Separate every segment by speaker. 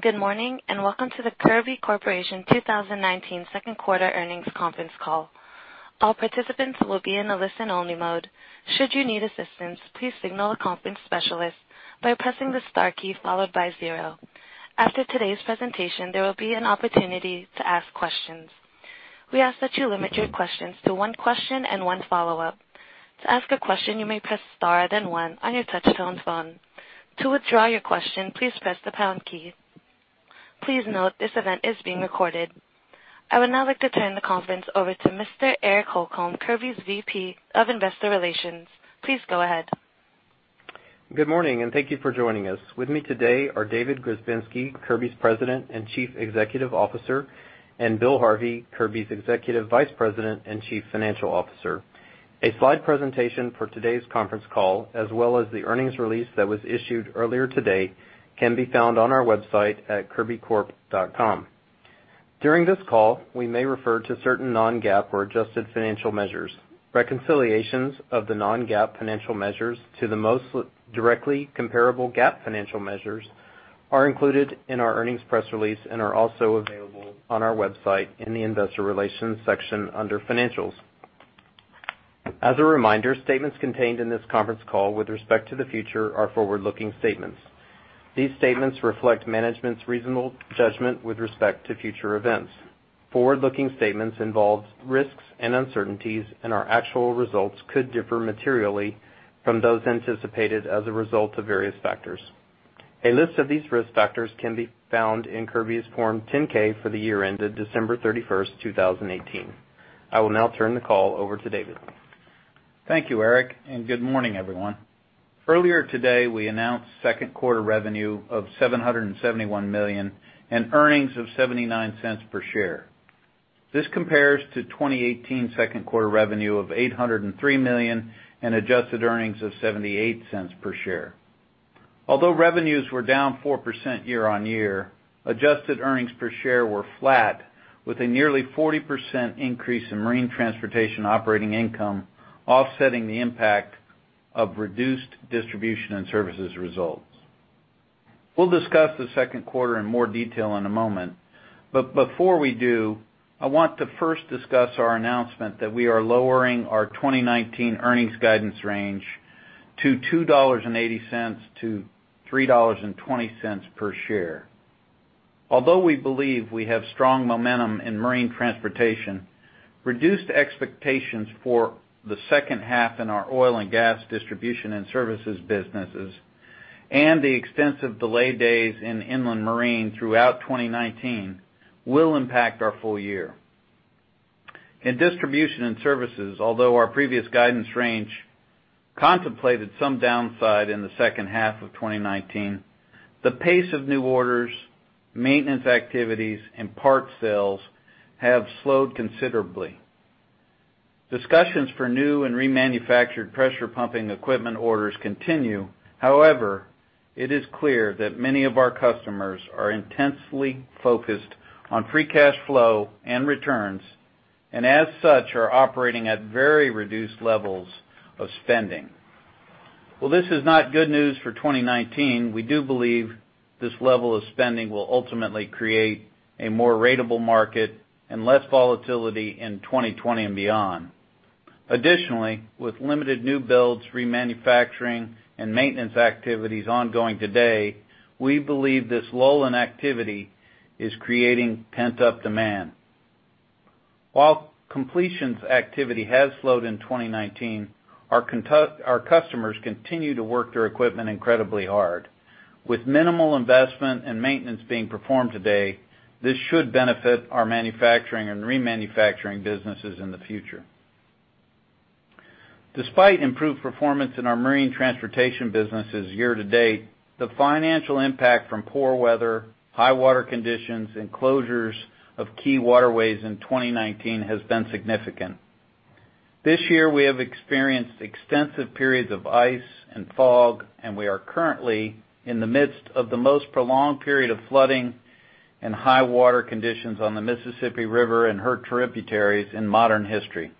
Speaker 1: Good morning, and Welcome to the Kirby Corporation 2019 second quarter earnings conference call. All participants will be in a listen-only mode. Should you need assistance, please signal a conference specialist by pressing the star key followed by zero. After today's presentation, there will be an opportunity to ask questions. We ask that you limit your questions to one question and one follow-up. To ask a question, you may press star, then one on your touch-tone phone. To withdraw your question, please press the pound key. Please note, this event is being recorded. I would now like to turn the conference over to Mr. Eric Holcomb, Kirby's VP of Investor Relations. Please go ahead.
Speaker 2: Good morning, and thank you for joining us. With me today are David Grzebinski, Kirby's President and Chief Executive Officer, and Bill Harvey, Kirby's Executive Vice President and Chief Financial Officer. A slide presentation for today's conference call, as well as the earnings release that was issued earlier today, can be found on our website at kirbycorp.com. During this call, we may refer to certain non-GAAP or adjusted financial measures. Reconciliations of the non-GAAP financial measures to the most directly comparable GAAP financial measures are included in our earnings press release and are also available on our website in the Investor Relations section under Financials. As a reminder, statements contained in this conference call with respect to the future are forward-looking statements. These statements reflect management's reasonable judgment with respect to future events. Forward-looking statements involve risks and uncertainties, and our actual results could differ materially from those anticipated as a result of various factors. A list of these risk factors can be found in Kirby's Form 10-K for the year ended December 31st, 2018. I will now turn the call over to David.
Speaker 3: Thank you, Eric, and good morning, everyone. Earlier today, we announced second quarter revenue of $771 million and earnings of $0.79 per share. This compares to 2018 second quarter revenue of $803 million and adjusted earnings of $0.78 per share. Although revenues were down 4% year-on-year, adjusted earnings per share were flat, with a nearly 40% increase in marine transportation operating income, offsetting the impact of reduced distribution and services results. We'll discuss the second quarter in more detail in a moment, but before we do, I want to first discuss our announcement that we are lowering our 2019 earnings guidance range to $2.80-$3.20 per share. Although we believe we have strong momentum in marine transportation, reduced expectations for the second half in our oil and gas distribution and services businesses and the extensive delay days in inland marine throughout 2019 will impact our full year. In distribution and services, although our previous guidance range contemplated some downside in the second half of 2019, the pace of new orders, maintenance activities, and parts sales have slowed considerably. Discussions for new and remanufactured pressure pumping equipment orders continue. However, it is clear that many of our customers are intensely focused on free cash flow and returns, and as such, are operating at very reduced levels of spending. While this is not good news for 2019, we do believe this level of spending will ultimately create a more ratable market and less volatility in 2020 and beyond. Additionally, with limited new builds, remanufacturing, and maintenance activities ongoing today, we believe this lull in activity is creating pent-up demand. While completions activity has slowed in 2019, our customers continue to work their equipment incredibly hard. With minimal investment and maintenance being performed today, this should benefit our manufacturing and remanufacturing businesses in the future. Despite improved performance in our marine transportation businesses year to date, the financial impact from poor weather, high water conditions, and closures of key waterways in 2019 has been significant. This year, we have experienced extensive periods of ice and fog, and we are currently in the midst of the most prolonged period of flooding and high water conditions on the Mississippi River and her tributaries in modern history.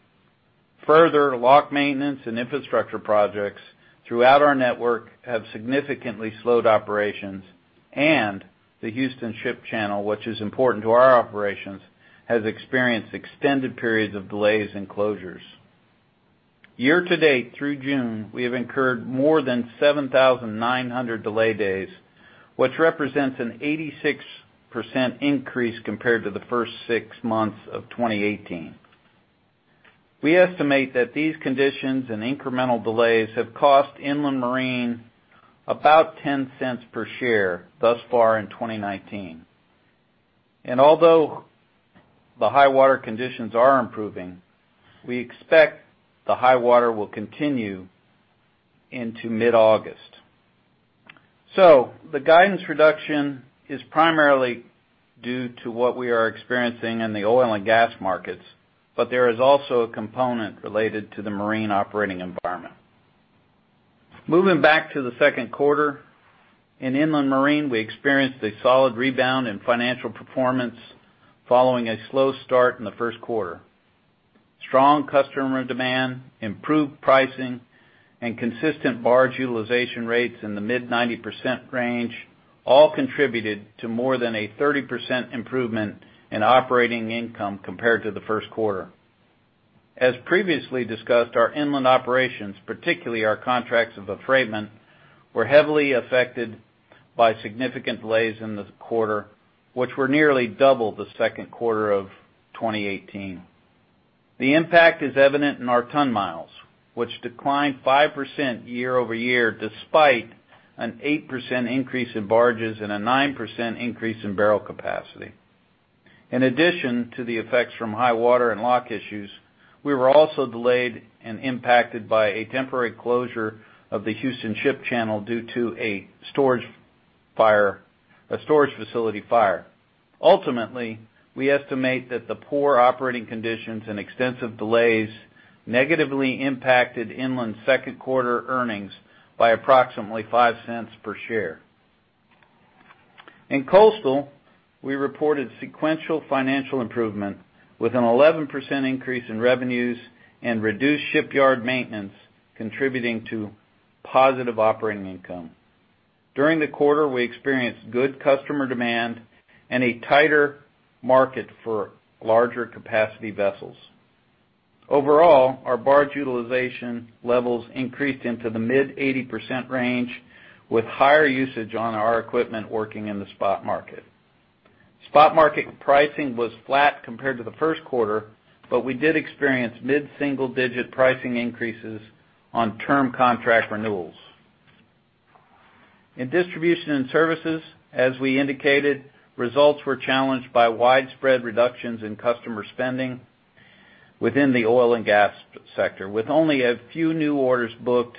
Speaker 3: Further, lock maintenance and infrastructure projects throughout our network have significantly slowed operations, and the Houston Ship Channel, which is important to our operations, has experienced extended periods of delays and closures. Year to date, through June, we have incurred more than 7,900 delay days, which represents an 86% increase compared to the first six months of 2018. We estimate that these conditions and incremental delays have cost inland marine about $0.10 per share thus far in 2019. And although the high water conditions are improving, we expect the high water will continue into mid-August. So the guidance reduction is primarily due to what we are experiencing in the oil and gas markets, but there is also a component related to the marine operating environment. Moving back to the second quarter, in inland marine, we experienced a solid rebound in financial performance following a slow start in the first quarter. Strong customer demand, improved pricing, and consistent barge utilization rates in the mid-90% range all contributed to more than a 30% improvement in operating income compared to the first quarter. As previously discussed, our inland operations, particularly our contracts of affreightment, were heavily affected by significant delays in this quarter, which were nearly double the second quarter of 2018. The impact is evident in our ton miles, which declined 5% year-over-year, despite an 8% increase in barges and a 9% increase in barrel capacity. In addition to the effects from high water and lock issues, we were also delayed and impacted by a temporary closure of the Houston Ship Channel due to a storage fire, a storage facility fire. Ultimately, we estimate that the poor operating conditions and extensive delays negatively impacted inland second quarter earnings by approximately $0.05 per share. In coastal, we reported sequential financial improvement, with an 11% increase in revenues and reduced shipyard maintenance contributing to positive operating income. During the quarter, we experienced good customer demand and a tighter market for larger capacity vessels. Overall, our barge utilization levels increased into the mid-80% range, with higher usage on our equipment working in the spot market. Spot market pricing was flat compared to the first quarter, but we did experience mid-single-digit pricing increases on term contract renewals. In distribution and services, as we indicated, results were challenged by widespread reductions in customer spending within the oil and gas sector, with only a few new orders booked,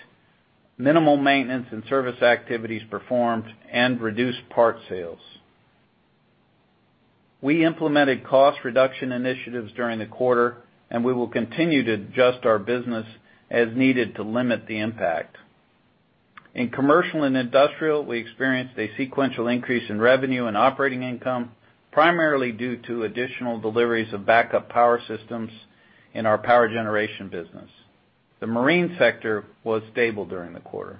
Speaker 3: minimal maintenance and service activities performed, and reduced part sales. We implemented cost reduction initiatives during the quarter, and we will continue to adjust our business as needed to limit the impact. In commercial and industrial, we experienced a sequential increase in revenue and operating income, primarily due to additional deliveries of backup power systems in our power generation business. The marine sector was stable during the quarter.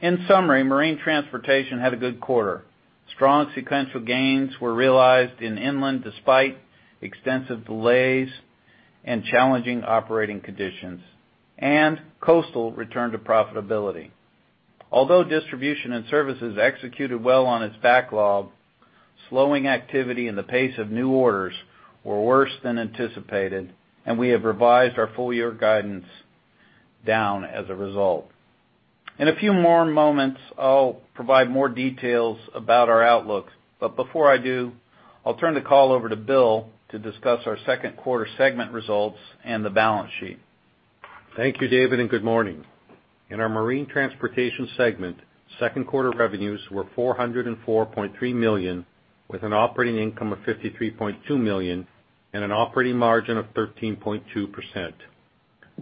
Speaker 3: In summary, marine transportation had a good quarter. Strong sequential gains were realized in inland, despite extensive delays and challenging operating conditions, and coastal returned to profitability. Although distribution and services executed well on its backlog, slowing activity and the pace of new orders were worse than anticipated, and we have revised our full year guidance down as a result. In a few more moments, I'll provide more details about our outlook, but before I do, I'll turn the call over to Bill to discuss our second quarter segment results and the balance sheet.
Speaker 4: Thank you, David, and good morning. In our marine transportation segment, second quarter revenues were $404.3 million, with an operating income of $53.2 million and an operating margin of 13.2%.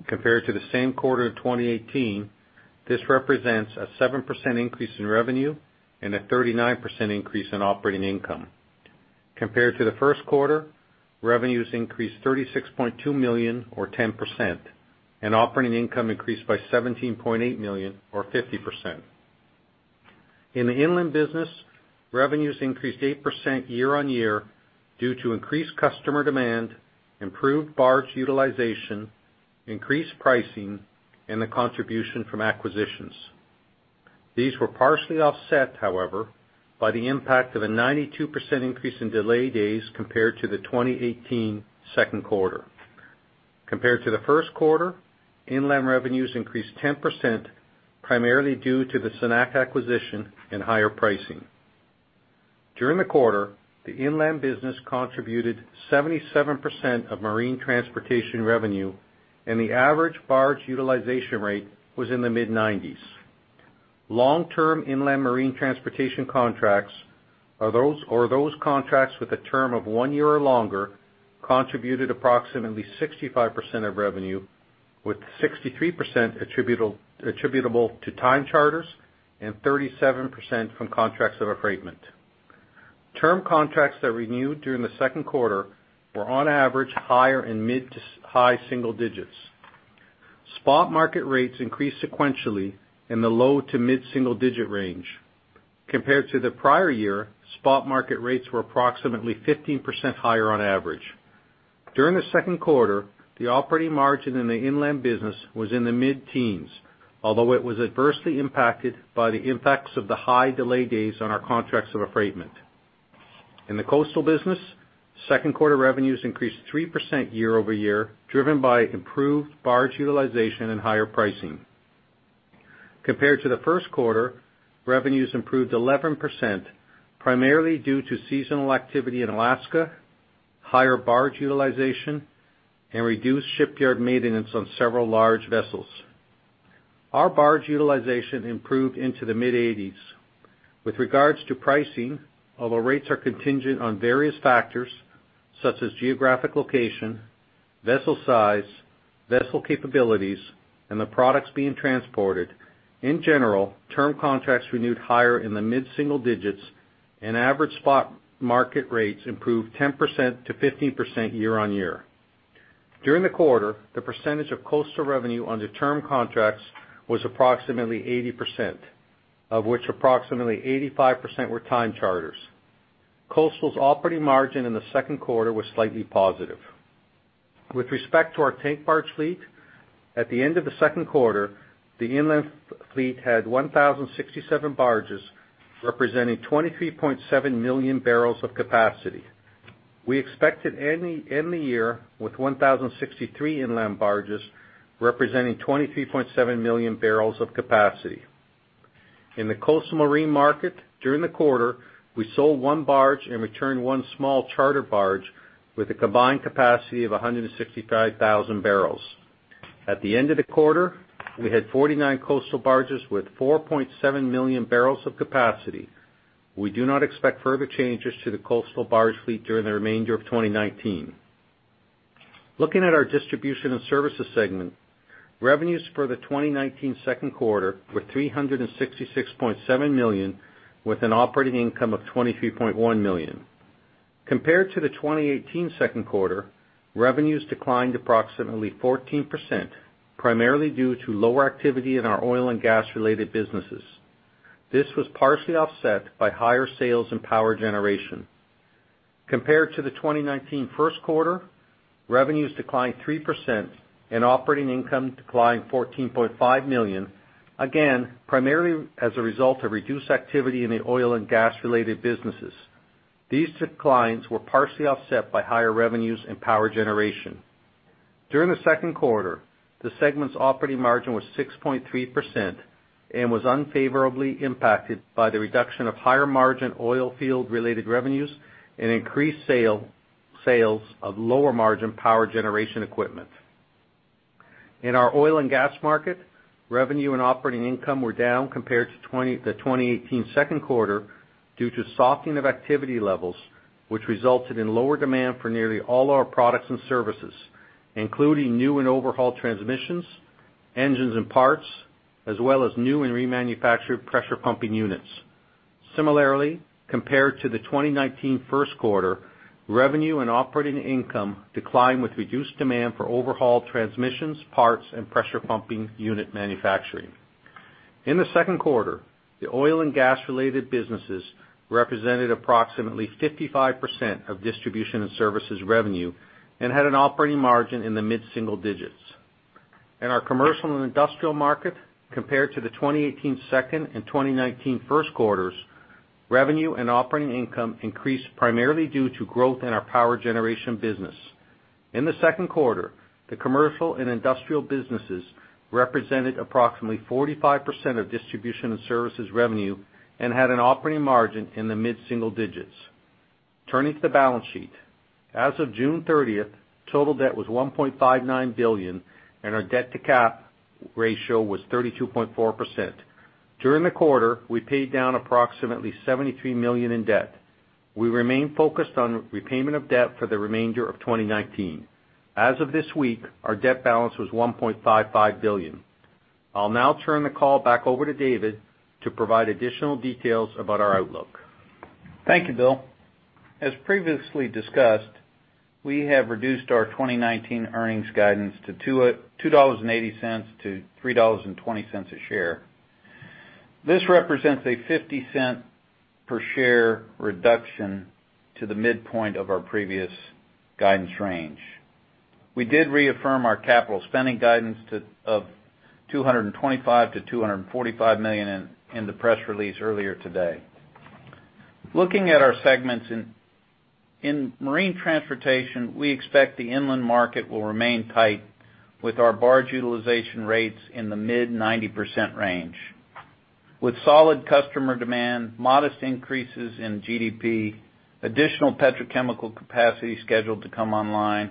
Speaker 4: Compared to the same quarter of 2018, this represents a 7% increase in revenue and a 39% increase in operating income. Compared to the first quarter, revenues increased $36.2 million, or 10%, and operating income increased by $17.8 million, or 50%. In the inland business, revenues increased 8% year-on-year due to increased customer demand, improved barge utilization, increased pricing, and the contribution from acquisitions. These were partially offset, however, by the impact of a 92% increase in delay days compared to the 2018 second quarter. Compared to the first quarter, inland revenues increased 10%, primarily due to the Cenac acquisition and higher pricing. During the quarter, the inland business contributed 77% of marine transportation revenue, and the average barge utilization rate was in the mid-90s. Long-term inland marine transportation contracts, or those contracts with a term of one year or longer, contributed approximately 65% of revenue, with 63% attributable to time charters and 37% from contracts of affreightment. Term contracts that renewed during the second quarter were, on average, higher in mid- to high single-digits. Spot market rates increased sequentially in the low- to mid-single-digit range. Compared to the prior year, spot market rates were approximately 15% higher on average. During the second quarter, the operating margin in the inland business was in the mid-teens, although it was adversely impacted by the impacts of the high delay days on our contracts of affreightment. In the coastal business, second quarter revenues increased 3% year-over-year, driven by improved barge utilization and higher pricing. Compared to the first quarter, revenues improved 11%, primarily due to seasonal activity in Alaska, higher barge utilization, and reduced shipyard maintenance on several large vessels. Our barge utilization improved into the mid-80s. With regards to pricing, although rates are contingent on various factors, such as geographic location, vessel size, vessel capabilities and the products being transported, in general, term contracts renewed higher in the mid-single-digits, and average spot market rates improved 10%-15% year-over-year. During the quarter, the percentage of coastal revenue under term contracts was approximately 80%, of which approximately 85% were time charters. Coastal's operating margin in the second quarter was slightly positive. With respect to our tank barge fleet, at the end of the second quarter, the inland fleet had 1,067 barges, representing 23.7 million bbl of capacity. We expected to end the year with 1,063 inland barges, representing 23.7 million bbl of capacity. In the coastal marine market, during the quarter, we sold one barge and returned one small charter barge with a combined capacity of 165,000 bbl. At the end of the quarter, we had 49 coastal barges with 4.7 million bbl of capacity. We do not expect further changes to the coastal barge fleet during the remainder of 2019. Looking at our distribution and services segment, revenues for the 2019 second quarter were $366.7 million, with an operating income of $23.1 million. Compared to the 2018 second quarter, revenues declined approximately 14%, primarily due to lower activity in our oil and gas-related businesses. This was partially offset by higher sales and power generation. Compared to the 2019 first quarter, revenues declined 3%, and operating income declined $14.5 million, again, primarily as a result of reduced activity in the oil and gas-related businesses. These declines were partially offset by higher revenues and power generation. During the second quarter, the segment's operating margin was 6.3% and was unfavorably impacted by the reduction of higher margin oil field-related revenues and increased sales of lower margin power generation equipment. In our oil and gas market, revenue and operating income were down compared to the 2018 second quarter due to softening of activity levels, which resulted in lower demand for nearly all our products and services, including new and overhauled transmissions, engines and parts, as well as new and remanufactured pressure pumping units. Similarly, compared to the 2019 first quarter, revenue and operating income declined with reduced demand for overhauled transmissions, parts, and pressure pumping unit manufacturing. In the second quarter, the oil and gas-related businesses represented approximately 55% of distribution and services revenue and had an operating margin in the mid-single-digits. In our commercial and industrial market, compared to the 2018 second and 2019 first quarters, revenue and operating income increased primarily due to growth in our power generation business. In the second quarter, the commercial and industrial businesses represented approximately 45% of distribution and services revenue and had an operating margin in the mid-single-digits. Turning to the balance sheet. As of June 30th, total debt was $1.59 billion, and our debt-to-cap ratio was 32.4%. During the quarter, we paid down approximately $73 million in debt. We remain focused on repayment of debt for the remainder of 2019. As of this week, our debt balance was $1.55 billion. I'll now turn the call back over to David to provide additional details about our outlook.
Speaker 3: Thank you, Bill. As previously discussed, we have reduced our 2019 earnings guidance to $2.20-$3.20 a share. This represents a $0.50 per share reduction to the midpoint of our previous guidance range. We did reaffirm our capital spending guidance to $225 million-$245 million in the press release earlier today. Looking at our segments in marine transportation, we expect the inland market will remain tight with our barge utilization rates in the mid-90% range. With solid customer demand, modest increases in GDP, additional petrochemical capacity scheduled to come online,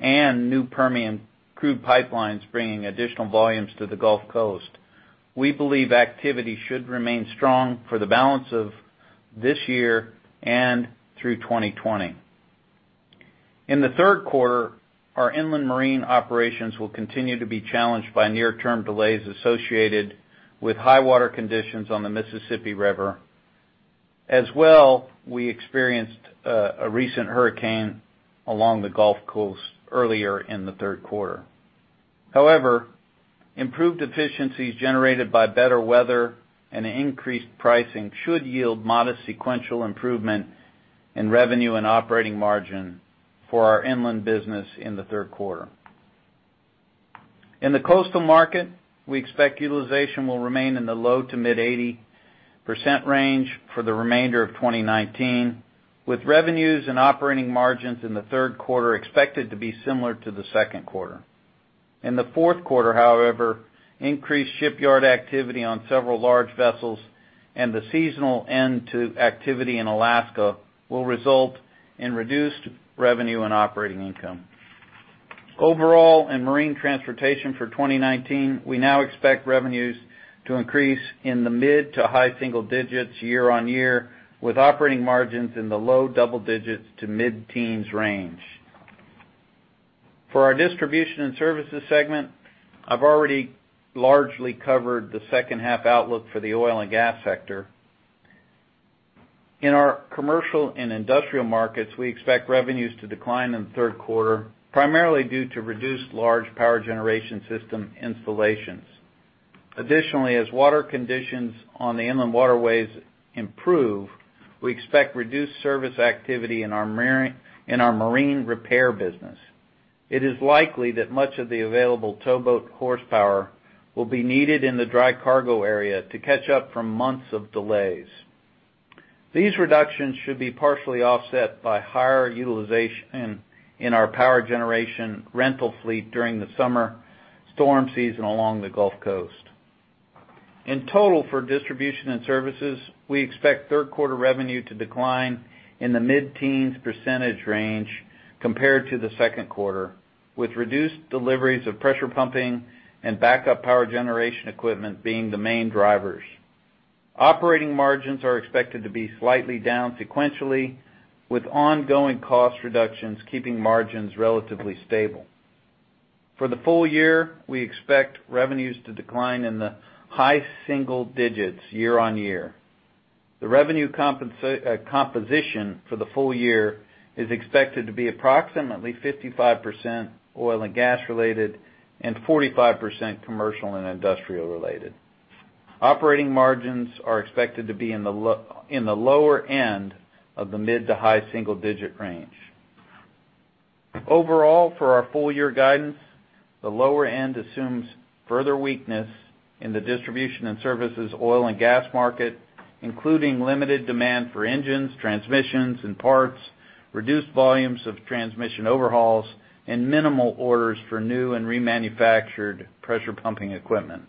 Speaker 3: and new Permian crude pipelines bringing additional volumes to the Gulf Coast, we believe activity should remain strong for the balance of this year and through 2020. In the third quarter, our inland marine operations will continue to be challenged by near-term delays associated with high water conditions on the Mississippi River. As well, we experienced a recent hurricane along the Gulf Coast earlier in the third quarter. However, improved efficiencies generated by better weather and increased pricing should yield modest sequential improvement in revenue and operating margin for our inland business in the third quarter. In the coastal market, we expect utilization will remain in the low- to mid-80% range for the remainder of 2019, with revenues and operating margins in the third quarter expected to be similar to the second quarter. In the fourth quarter, however, increased shipyard activity on several large vessels and the seasonal end to activity in Alaska will result in reduced revenue and operating income. Overall, in marine transportation for 2019, we now expect revenues to increase in the mid- to high-single-digits year-on-year, with operating margins in the low-double-digits to mid-teens range. For our distribution and services segment, I've already largely covered the second half outlook for the oil and gas sector. In our commercial and industrial markets, we expect revenues to decline in the third quarter, primarily due to reduced large power generation system installations. Additionally, as water conditions on the inland waterways improve, we expect reduced service activity in our marine repair business. It is likely that much of the available towboat horsepower will be needed in the dry cargo area to catch up from months of delays. These reductions should be partially offset by higher utilization in our power generation rental fleet during the summer storm season along the Gulf Coast. In total, for distribution and services, we expect third quarter revenue to decline in the mid-teens % range compared to the second quarter, with reduced deliveries of pressure pumping and backup power generation equipment being the main drivers. Operating margins are expected to be slightly down sequentially, with ongoing cost reductions keeping margins relatively stable. For the full year, we expect revenues to decline in the high single-digits year-on-year. The revenue composition for the full year is expected to be approximately 55% oil and gas related and 45% commercial and industrial related. Operating margins are expected to be in the lower end of the mid- to high single-digit range. Overall, for our full-year guidance, the lower end assumes further weakness in the distribution and services oil and gas market, including limited demand for engines, transmissions, and parts, reduced volumes of transmission overhauls, and minimal orders for new and remanufactured pressure pumping equipment.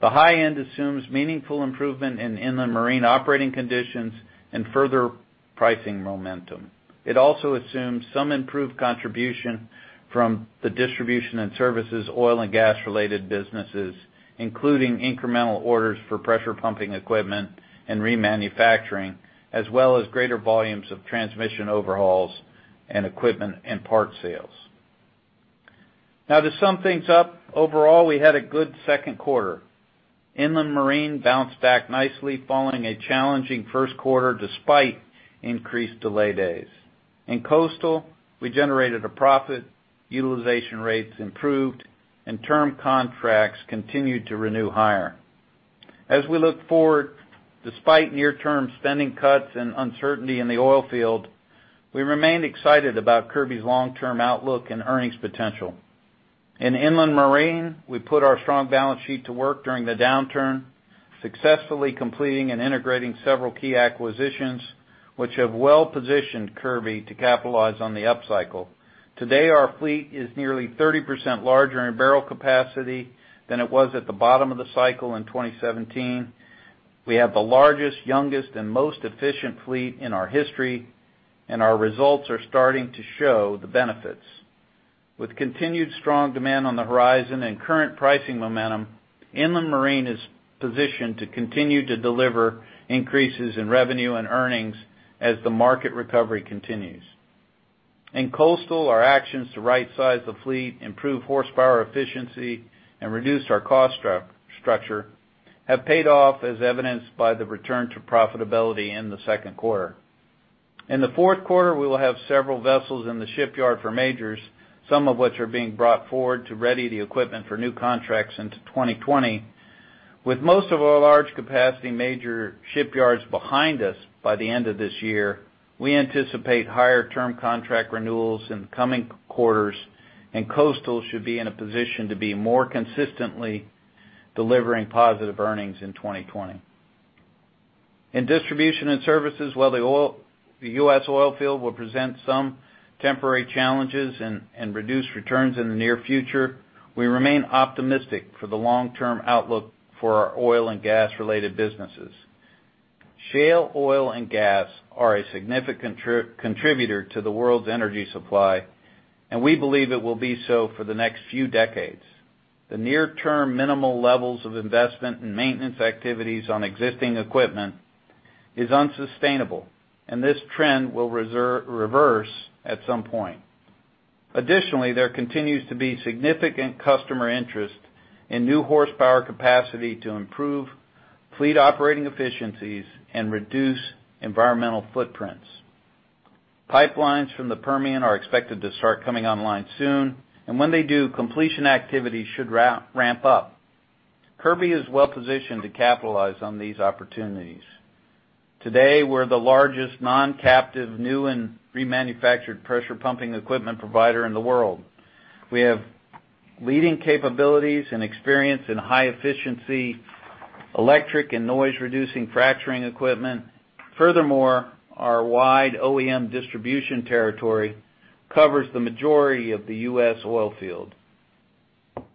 Speaker 3: The high end assumes meaningful improvement in inland marine operating conditions and further pricing momentum. It also assumes some improved contribution from the distribution and services, oil and gas related businesses, including incremental orders for pressure pumping equipment and remanufacturing, as well as greater volumes of transmission overhauls and equipment and parts sales. Now, to sum things up, overall, we had a good second quarter. Inland marine bounced back nicely following a challenging first quarter, despite increased delay days. In coastal, we generated a profit, utilization rates improved, and term contracts continued to renew higher. As we look forward, despite near-term spending cuts and uncertainty in the oil field, we remain excited about Kirby's long-term outlook and earnings potential. In inland marine, we put our strong balance sheet to work during the downturn, successfully completing and integrating several key acquisitions, which have well-positioned Kirby to capitalize on the upcycle. Today, our fleet is nearly 30% larger in barrel capacity than it was at the bottom of the cycle in 2017. We have the largest, youngest and most efficient fleet in our history, and our results are starting to show the benefits. With continued strong demand on the horizon and current pricing momentum, inland marine is positioned to continue to deliver increases in revenue and earnings as the market recovery continues. In coastal, our actions to rightsize the fleet, improve horsepower efficiency, and reduce our cost structure, have paid off, as evidenced by the return to profitability in the second quarter. In the fourth quarter, we will have several vessels in the shipyard for majors, some of which are being brought forward to ready the equipment for new contracts into 2020. With most of our large capacity major shipyards behind us by the end of this year, we anticipate higher-term contract renewals in the coming quarters, and coastal should be in a position to be more consistently delivering positive earnings in 2020. In distribution and services, while the oil, the U.S. oil field will present some temporary challenges and reduce returns in the near future, we remain optimistic for the long-term outlook for our oil and gas-related businesses. Shale, oil, and gas are a significant contributor to the world's energy supply, and we believe it will be so for the next few decades. The near-term minimal levels of investment and maintenance activities on existing equipment is unsustainable, and this trend will reverse at some point. Additionally, there continues to be significant customer interest in new horsepower capacity to improve fleet operating efficiencies and reduce environmental footprints. Pipelines from the Permian are expected to start coming online soon, and when they do, completion activities should ramp up. Kirby is well positioned to capitalize on these opportunities. Today, we're the largest non-captive, new and remanufactured pressure pumping equipment provider in the world. We have leading capabilities and experience in high efficiency, electric and noise-reducing fracturing equipment. Furthermore, our wide OEM distribution territory covers the majority of the U.S. oil field.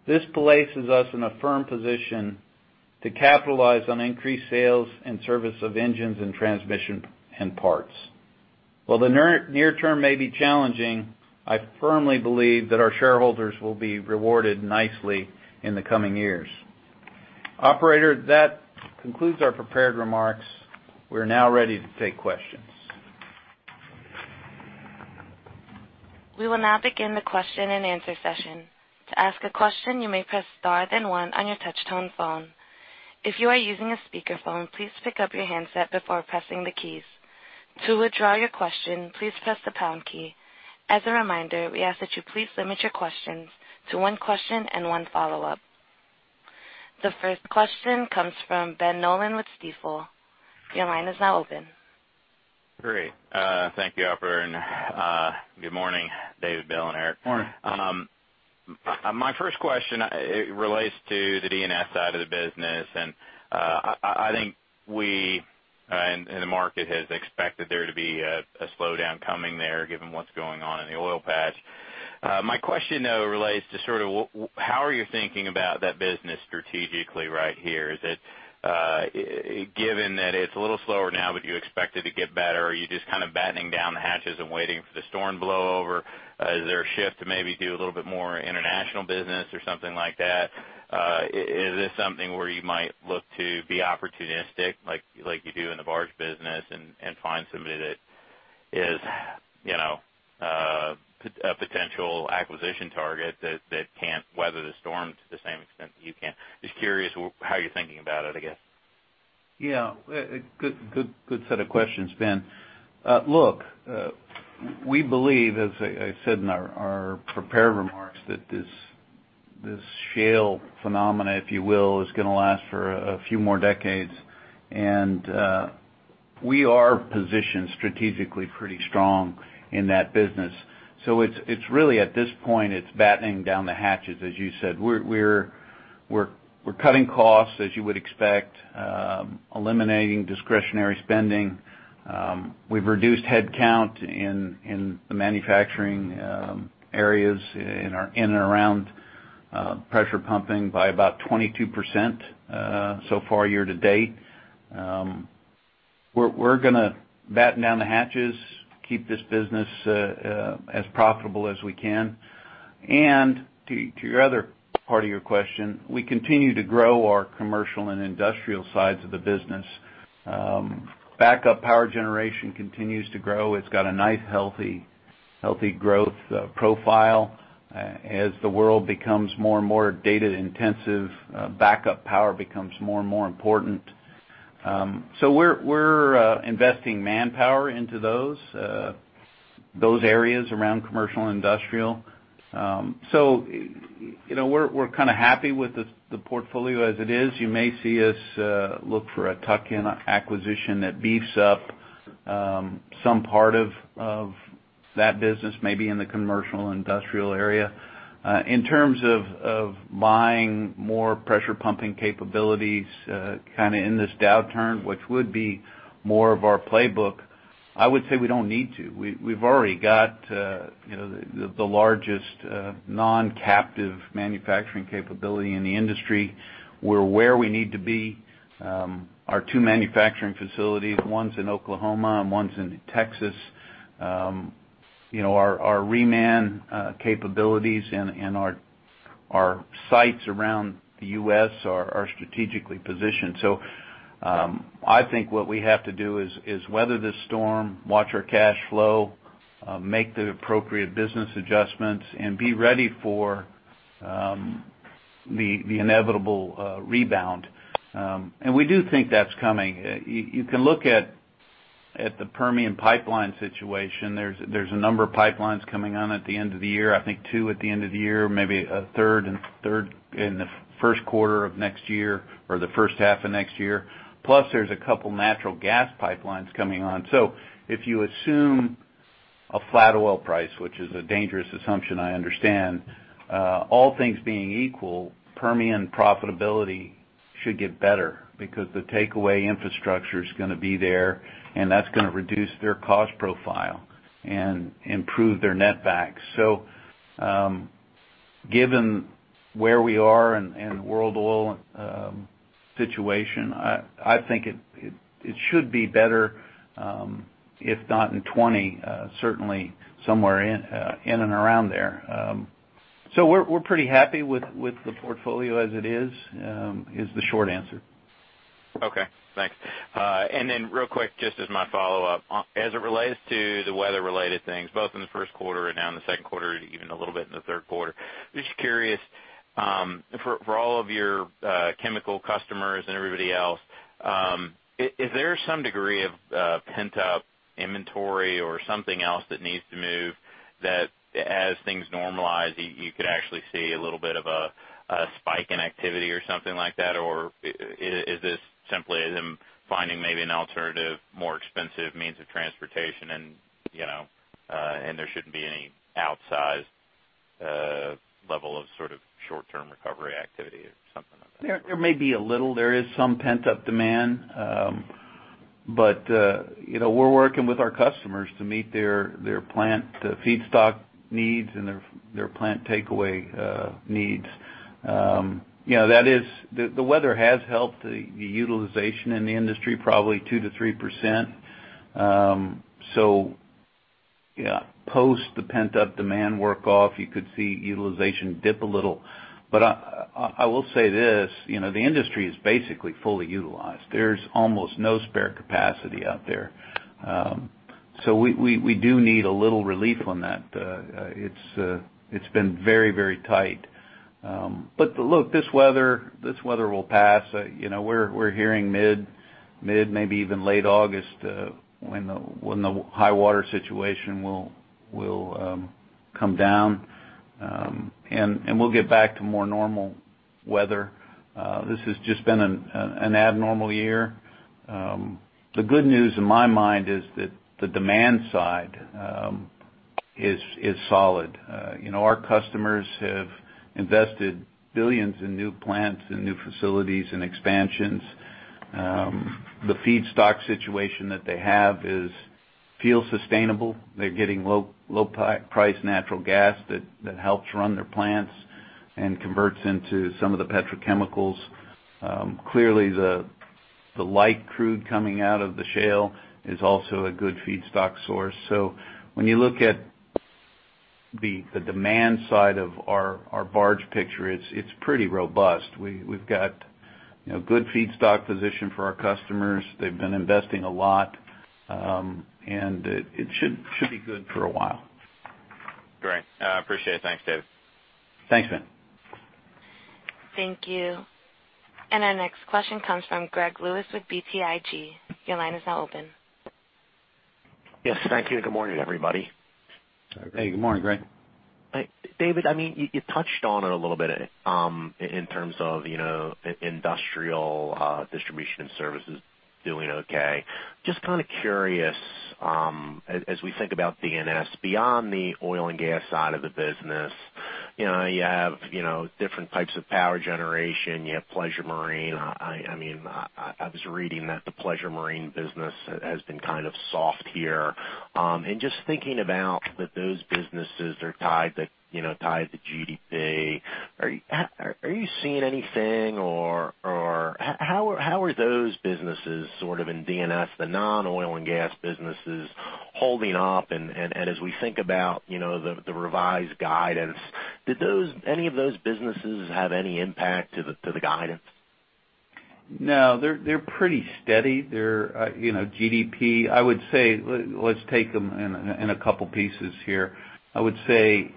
Speaker 3: This places us in a firm position to capitalize on increased sales and service of engines and transmission and parts. While the near, near term may be challenging, I firmly believe that our shareholders will be rewarded nicely in the coming years. Operator, that concludes our prepared remarks. We're now ready to take questions.
Speaker 1: We will now begin the question-and-answer session. To ask a question, you may press star, then one on your touchtone phone. If you are using a speakerphone, please pick up your handset before pressing the keys. To withdraw your question, please press the pound key. As a reminder, we ask that you please limit your questions to one question and one follow-up. The first question comes from Ben Nolan with Stifel. Your line is now open.
Speaker 5: Great. Thank you, operator. Good morning, David, Bill, and Eric.
Speaker 3: Morning.
Speaker 5: My first question relates to the D&S side of the business, and I think we and the market has expected there to be a slowdown coming there, given what's going on in the oil patch. My question, though, relates to sort of how are you thinking about that business strategically right here? Is it, given that it's a little slower now, but you expect it to get better, are you just kind of battening down the hatches and waiting for the storm to blow over? Is there a shift to maybe do a little bit more international business or something like that? is this something where you might look to be opportunistic, like, like you do in the barge business and, and find somebody that is, you know, a potential acquisition target that, that can't weather the storm to the same extent that you can? Just curious how you're thinking about it, I guess.
Speaker 3: Yeah, a good, good, good set of questions, Ben. Look, we believe, as I said in our prepared remarks, that this shale phenomena, if you will, is gonna last for a few more decades, and we are positioned strategically pretty strong in that business. So it's really at this point, it's battening down the hatches, as you said. We're cutting costs, as you would expect, eliminating discretionary spending. We've reduced headcount in the manufacturing areas in and around pressure pumping by about 22%, so far year to date. We're gonna batten down the hatches, keep this business as profitable as we can. And to your other part of your question, we continue to grow our commercial and industrial sides of the business. Backup power generation continues to grow. It's got a nice, healthy, healthy growth profile. As the world becomes more and more data intensive, backup power becomes more and more important. So we're, we're investing manpower into those, those areas around commercial and industrial. So, you know, we're, we're kind of happy with the, the portfolio as it is. You may see us look for a tuck-in acquisition that beefs up some part of, of that business, maybe in the commercial and industrial area. In terms of, of buying more pressure pumping capabilities kind of in this downturn, which would be more of our playbook, I would say we don't need to. We, we've already got you know, the, the largest non-captive manufacturing capability in the industry. We're where we need to be. Our two manufacturing facilities, one's in Oklahoma and one's in Texas. You know, our reman capabilities and our sites around the U.S. are strategically positioned. So, I think what we have to do is weather this storm, watch our cash flow, make the appropriate business adjustments, and be ready for the inevitable rebound. And we do think that's coming. You can look at the Permian pipeline situation. There's a number of pipelines coming on at the end of the year. I think two at the end of the year, maybe a third and third in the first quarter of next year or the first half of next year. Plus, there's a couple natural gas pipelines coming on. So if you assume a flat oil price, which is a dangerous assumption, I understand, all things being equal, Permian profitability should get better because the takeaway infrastructure is gonna be there, and that's gonna reduce their cost profile and improve their netback. So, given where we are and world oil situation, I think it should be better, if not in 2020, certainly somewhere in and around there. So we're pretty happy with the portfolio as it is, is the short answer.
Speaker 5: Okay, thanks. And then real quick, just as my follow-up. As it relates to the weather-related things, both in the first quarter and now in the second quarter, even a little bit in the third quarter, just curious, for all of your chemical customers and everybody else, is there some degree of pent-up inventory or something else that needs to move, that as things normalize, you could actually see a little bit of a spike in activity or something like that? Or is this simply them finding maybe an alternative, more expensive means of transportation and, you know, and there shouldn't be any outsized level of sort of short-term recovery activity or something like that?
Speaker 3: There may be a little. There is some pent-up demand. But you know, we're working with our customers to meet their plant feedstock needs and their plant takeaway needs. You know, that is, the weather has helped the utilization in the industry, probably 2%-3%. So yeah, post the pent-up demand work off, you could see utilization dip a little. But I will say this, you know, the industry is basically fully utilized. There's almost no spare capacity out there. So we do need a little relief on that. It's been very, very tight. But look, this weather will pass. You know, we're hearing mid, maybe even late August, when the high water situation will come down. And we'll get back to more normal weather. This has just been an abnormal year. The good news in my mind is that the demand side is solid. You know, our customers have invested billions in new plants and new facilities and expansions. The feedstock situation that they have is feel sustainable. They're getting low-price natural gas that helps run their plants and converts into some of the petrochemicals. Clearly, the light crude coming out of the shale is also a good feedstock source. So when you look at the demand side of our barge picture, it's pretty robust. We've got, you know, good feedstock position for our customers. They've been investing a lot, and it should be good for a while.
Speaker 5: Great. I appreciate it. Thanks, David.
Speaker 3: Thanks, Ben.
Speaker 1: Thank you. Our next question comes from Greg Lewis with BTIG. Your line is now open.
Speaker 6: Yes, thank you. Good morning, everybody.
Speaker 3: Hey, good morning, Greg.
Speaker 6: Hi, David. I mean, you, you touched on it a little bit, in terms of, you know, industrial, distribution and services doing okay. Just kind of curious, as we think about D&S, beyond the oil and gas side of the business, you know, you have, you know, different types of power generation, you have pleasure marine. I mean, I was reading that the pleasure marine business has been kind of soft here. And just thinking about that those businesses are tied to, you know, tied to GDP, are you seeing anything or how are those businesses sort of in D&S, the non-oil and gas businesses holding up? And as we think about, you know, the revised guidance, did those any of those businesses have any impact to the guidance?
Speaker 3: No, they're pretty steady. They're you know, GDP, I would say, let's take them in a couple pieces here. I would say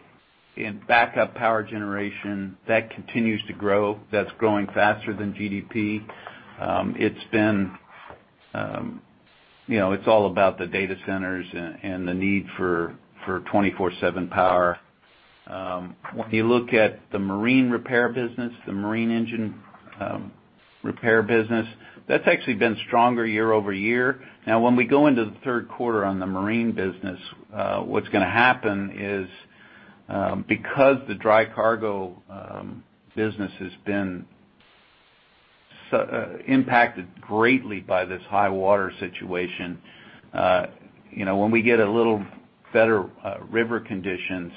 Speaker 3: in backup power generation, that continues to grow. That's growing faster than GDP. It's been you know, it's all about the data centers and the need for 24/7 power. When you look at the marine repair business, the marine engine repair business, that's actually been stronger year-over-year. Now, when we go into the third quarter on the marine business, what's going to happen is, because the dry cargo business has been so impacted greatly by this high water situation, you know, when we get a little better river conditions,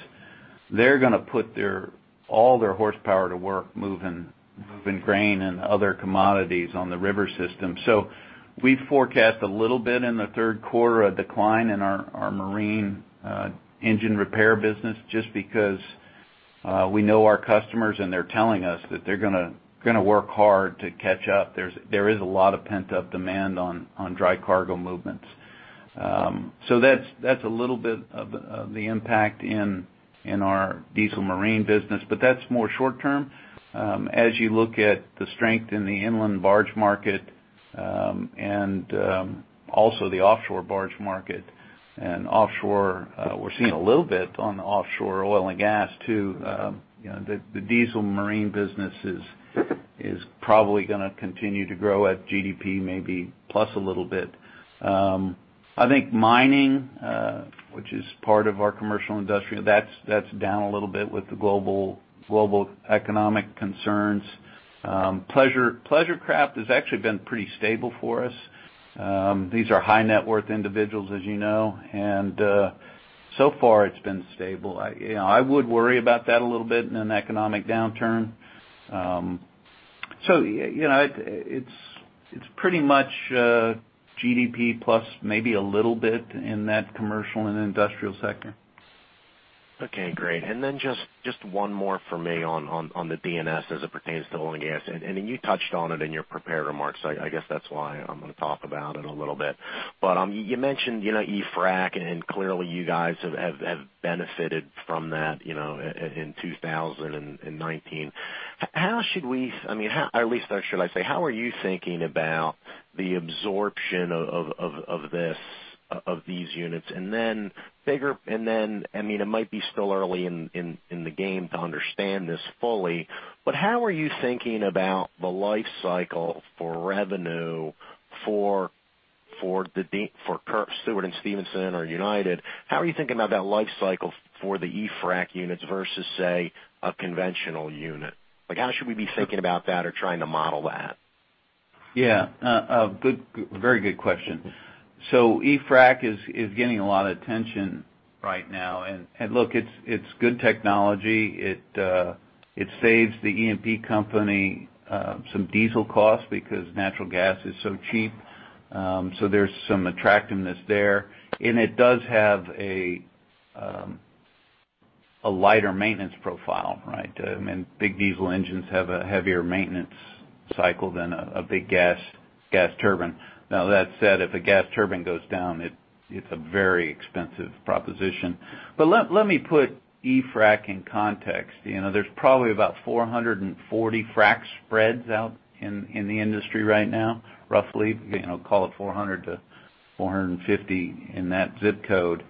Speaker 3: they're going to put all their horsepower to work moving grain and other commodities on the river system. So we forecast a little bit in the third quarter, a decline in our marine engine repair business, just because we know our customers, and they're telling us that they're gonna work hard to catch up. There is a lot of pent-up demand on dry cargo movements. So that's a little bit of the impact in our diesel marine business, but that's more short term. As you look at the strength in the inland barge market, and also the offshore barge market and offshore, we're seeing a little bit on the offshore oil and gas, too. You know, the diesel marine business is probably going to continue to grow at GDP, maybe plus a little bit. I think mining, which is part of our commercial industrial, that's down a little bit with the global economic concerns. Pleasure craft has actually been pretty stable for us. These are high net worth individuals, as you know, and so far it's been stable. You know, I would worry about that a little bit in an economic downturn. So, you know, it's pretty much GDP plus maybe a little bit in that commercial and industrial sector.
Speaker 6: Okay, great. And then just one more for me on the D&S as it pertains to oil and gas. And you touched on it in your prepared remarks, so I guess that's why I'm going to talk about it a little bit. But you mentioned, you know, e-frac, and clearly, you guys have benefited from that, you know, in 2019. How should we—I mean, how, or at least should I say, how are you thinking about the absorption of these units? And then bigger—and then, I mean, it might be still early in the game to understand this fully, but how are you thinking about the life cycle for revenue for the D- for Stewart & Stevenson or United? How are you thinking about that life cycle for the e-frac units versus, say, a conventional unit? Like, how should we be thinking about that or trying to model that?
Speaker 3: Yeah. A good, very good question. So e-frac is getting a lot of attention right now. And look, it's good technology. It saves the E&P company some diesel costs because natural gas is so cheap, so there's some attractiveness there. And it does have a lighter maintenance profile, right? I mean, big diesel engines have a heavier maintenance cycle than a big gas turbine. Now, that said, if a gas turbine goes down, it's a very expensive proposition. But let me put e-frac in context. You know, there's probably about 440 frac spreads out in the industry right now, roughly, you know, call it 400-450 frac in that ZIP code.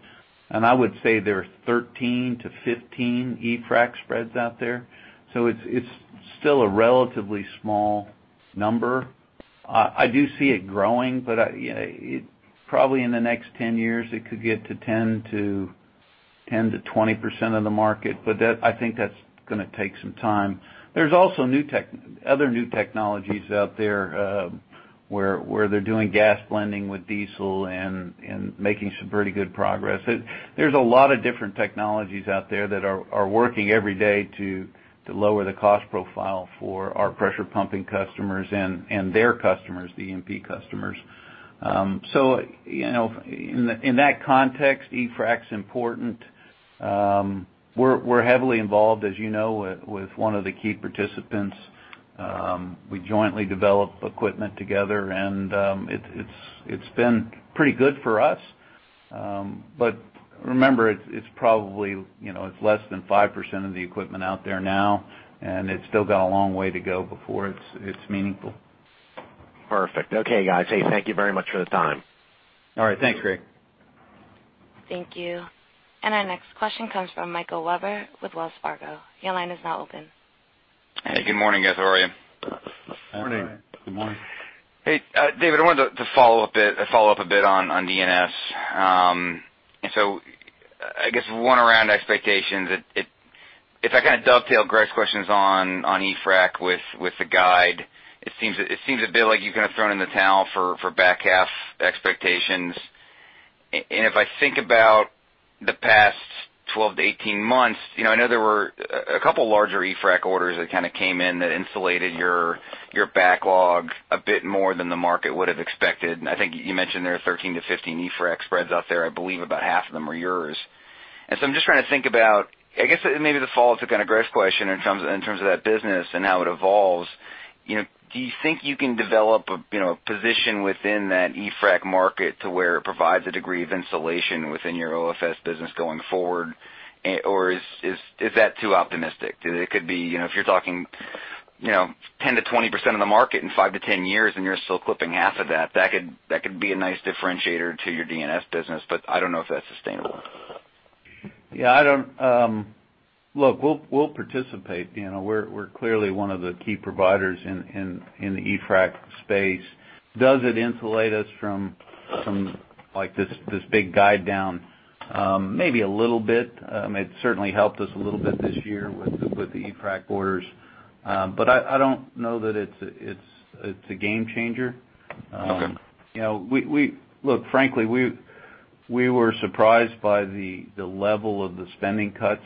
Speaker 3: I would say there are 13-15 e-frac spreads out there, so it's still a relatively small number. I do see it growing, but I, you know, probably in the next 10 years, it could get to 10%-20% of the market, but that, I think that's gonna take some time. There's also other new technologies out there, where they're doing gas blending with diesel and making some pretty good progress. There's a lot of different technologies out there that are working every day to lower the cost profile for our pressure pumping customers and their customers, the end customers. So, you know, in that context, e-frac's important. We're heavily involved, as you know, with one of the key participants. We jointly develop equipment together, and it's been pretty good for us. But remember, it's probably, you know, it's less than 5% of the equipment out there now, and it's still got a long way to go before it's meaningful.
Speaker 6: Perfect. Okay, guys. Hey, thank you very much for the time.
Speaker 3: All right. Thanks, Greg.
Speaker 1: Thank you. Our next question comes from Michael Webber with Wells Fargo. Your line is now open.
Speaker 7: Hey, good morning, guys. How are you?
Speaker 3: Morning.
Speaker 4: Good morning.
Speaker 7: Hey, David, I wanted to follow up a bit on D&S. So I guess one around expectations. If I kind of dovetail Greg's questions on e-frac with the guide, it seems a bit like you're kind of thrown in the towel for back half expectations. And if I think about the past 12-18 months, you know, I know there were a couple larger e-frac orders that kind of came in that insulated your backlog a bit more than the market would have expected. I think you mentioned there are 13-15 e-frac spreads out there. I believe about half of them are yours. And so I'm just trying to think about... I guess, maybe this follows to kind of Greg's question in terms of, in terms of that business and how it evolves. You know, do you think you can develop a, you know, a position within that e-frac market to where it provides a degree of insulation within your OFS business going forward, or is that too optimistic? It could be, you know, if you're talking, you know, 10%-20% of the market in five-10 years, and you're still clipping half of that, that could, that could be a nice differentiator to your D&S business, but I don't know if that's sustainable.
Speaker 3: Yeah, I don't... Look, we'll participate. You know, we're clearly one of the key providers in the e-frac space. Does it insulate us from some, like, this big guide down? Maybe a little bit. It certainly helped us a little bit this year with the e-frac orders. But I don't know that it's a game changer. You know, we-- Look, frankly, we were surprised by the level of the spending cuts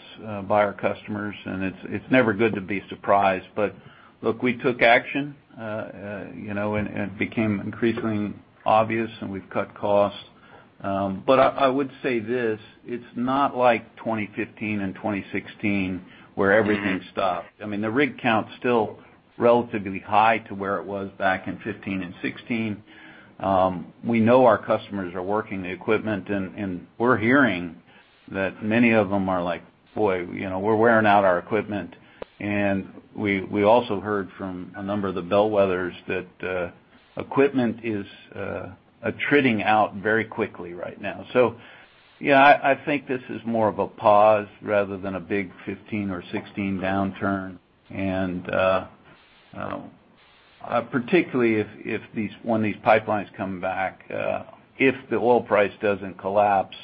Speaker 3: by our customers, and it's never good to be surprised. But look, we took action, you know, and it became increasingly obvious, and we've cut costs. But I would say this: It's not like 2015 and 2016, where everything stopped. I mean, the rig count's still relatively high to where it was back in 2015 and 2016. We know our customers are working the equipment, and we're hearing that many of them are like, "Boy, you know, we're wearing out our equipment." And we also heard from a number of the bellwethers that equipment is attriting out very quickly right now. So yeah, I think this is more of a pause rather than a big 2015 or 2016 downturn. And particularly if, when these pipelines come back, if the oil price doesn't collapse,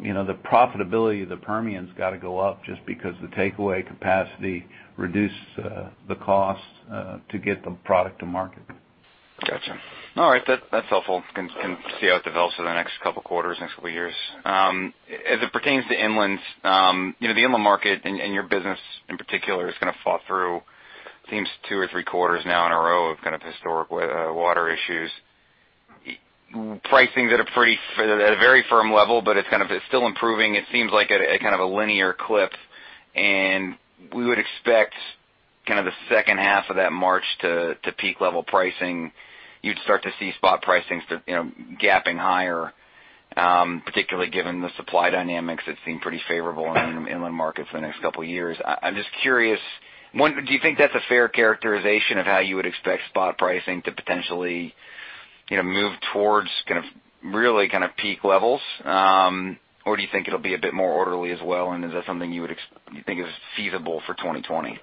Speaker 3: you know, the profitability of the Permian's got to go up just because the takeaway capacity reduces the cost to get the product to market.
Speaker 7: Gotcha. All right. That's helpful. Can see how it develops in the next couple quarters, next couple years. As it pertains to inlands, you know, the inland market and your business, in particular, is gonna fall through, seems two or three quarters now in a row of kind of historic water issues. Pricing's at a very firm level, but it's kind of, it's still improving. It seems like kind of a linear cliff, and we would expect kind of the second half of that march to peak level pricing, you'd start to see spot pricing, you know, gapping higher, particularly given the supply dynamics that seem pretty favorable in inland markets the next couple years. I'm just curious, one, do you think that's a fair characterization of how you would expect spot pricing to potentially, you know, move towards kind of, really kind of peak levels? Or do you think it'll be a bit more orderly as well, and is that something you would you think is feasible for 2020?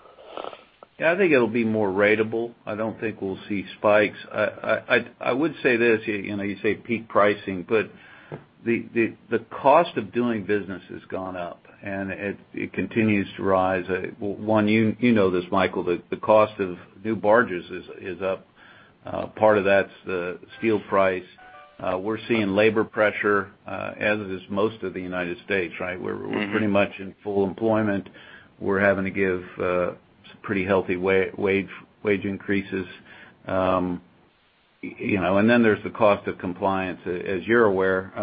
Speaker 3: Yeah, I think it'll be more ratable. I don't think we'll see spikes. I would say this, you know, you say peak pricing, but the cost of doing business has gone up, and it continues to rise. You know this, Michael, the cost of new barges is up. Part of that's the steel price. We're seeing labor pressure, as it is most of the United States, right?
Speaker 7: Mm-hmm.
Speaker 3: We're pretty much in full employment. We're having to give some pretty healthy wage increases. You know, and then there's the cost of compliance. As you're aware,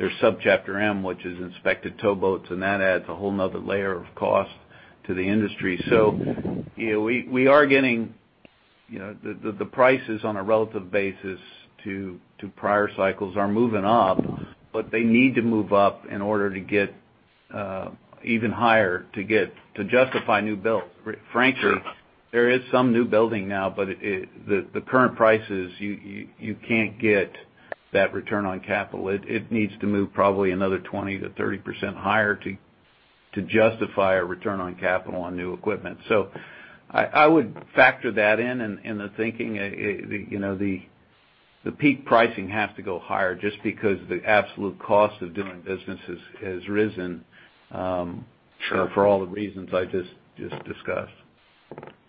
Speaker 3: there's Subchapter M, which is inspected towboats, and that adds a whole another layer of cost to the industry. So, you know, we are getting, you know, the prices on a relative basis to prior cycles are moving up, but they need to move up in order to get even higher to justify new builds. Frankly, there is some new building now, but the current prices you can't get that return on capital. It needs to move probably another 20%-30% higher to justify a return on capital on new equipment. So I would factor that in the thinking. You know, the peak pricing has to go higher just because the absolute cost of doing business has risen.
Speaker 7: Sure.
Speaker 3: for all the reasons I just discussed.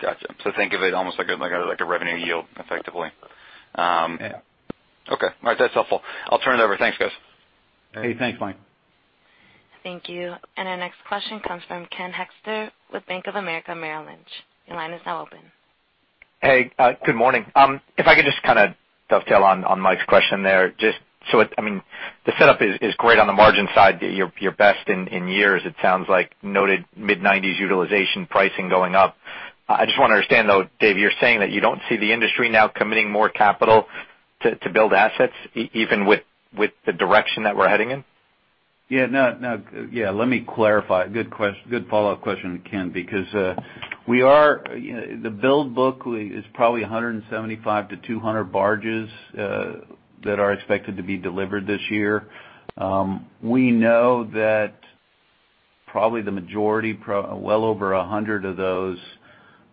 Speaker 7: Gotcha. So think of it almost like a revenue yield, effectively.
Speaker 3: Yeah.
Speaker 7: Okay. All right, that's helpful. I'll turn it over. Thanks, guys.
Speaker 3: Hey, thanks, Mike.
Speaker 1: Thank you. Our next question comes from Ken Hoexter with Bank of America Merrill Lynch. Your line is now open.
Speaker 8: Hey, good morning. If I could just kind of dovetail on Mike's question there, just so it... I mean, the setup is great on the margin side, your best in years, it sounds like. Noted mid-90s utilization, pricing going up. I just want to understand, though, Dave, you're saying that you don't see the industry now committing more capital to build assets even with the direction that we're heading in?
Speaker 3: Yeah, no, no. Yeah, let me clarify. Good follow-up question, Ken, because we are, you know, the build book is probably 175-200 barges that are expected to be delivered this year. We know that probably the majority, well over 100 barges of those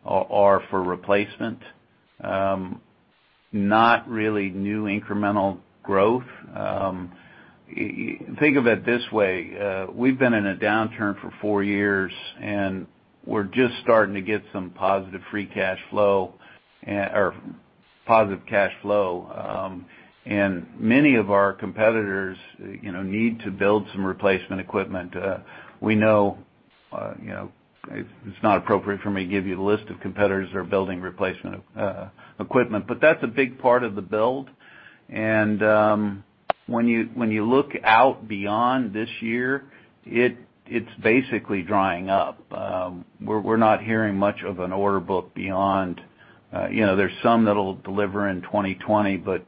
Speaker 3: are for replacement, not really new incremental growth. Think of it this way, we've been in a downturn for four years, and we're just starting to get some positive free cash flow and, or positive cash flow. And many of our competitors, you know, need to build some replacement equipment. We know, you know, it's not appropriate for me to give you a list of competitors that are building replacement equipment, but that's a big part of the build. When you look out beyond this year, it's basically drying up. We're not hearing much of an order book beyond. You know, there's some that'll deliver in 2020, but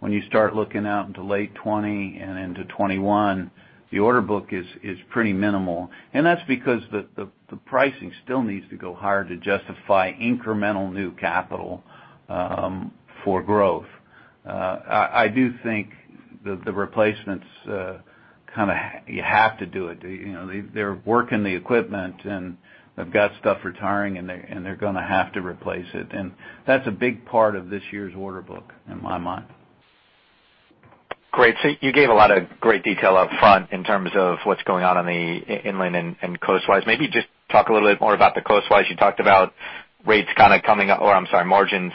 Speaker 3: when you start looking out into late 2020 and into 2021, the order book is pretty minimal. And that's because the pricing still needs to go higher to justify incremental new capital for growth. I do think that the replacements kind of you have to do it. You know, they're working the equipment, and they've got stuff retiring, and they're going to have to replace it. And that's a big part of this year's order book, in my mind.
Speaker 8: Great. So you gave a lot of great detail up front in terms of what's going on in the inland and coastwise. Maybe just talk a little bit more about the coastwise. You talked about rates kind of coming up, or I'm sorry, margins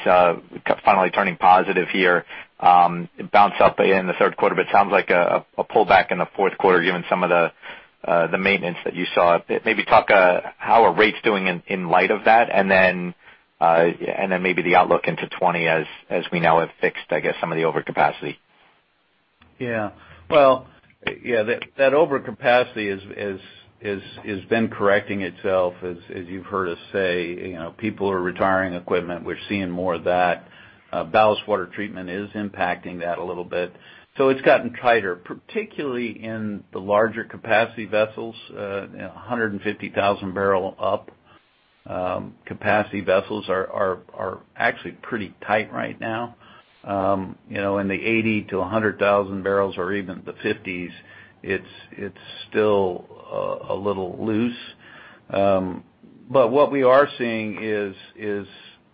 Speaker 8: finally turning positive here, it bounced up in the third quarter, but it sounds like a pullback in the fourth quarter, given some of the maintenance that you saw. Maybe talk how are rates doing in light of that? And then maybe the outlook into 2020 as we now have fixed, I guess, some of the overcapacity.
Speaker 3: Yeah. Well, yeah, that overcapacity has been correcting itself. As you've heard us say, you know, people are retiring equipment. We're seeing more of that. Ballast water treatment is impacting that a little bit. So it's gotten tighter, particularly in the larger capacity vessels, 150,000-bbl and up capacity vessels are actually pretty tight right now. You know, in the 80,000 bbl-100,000 bbl or even the 50,000 bbl, it's still a little loose. But what we are seeing is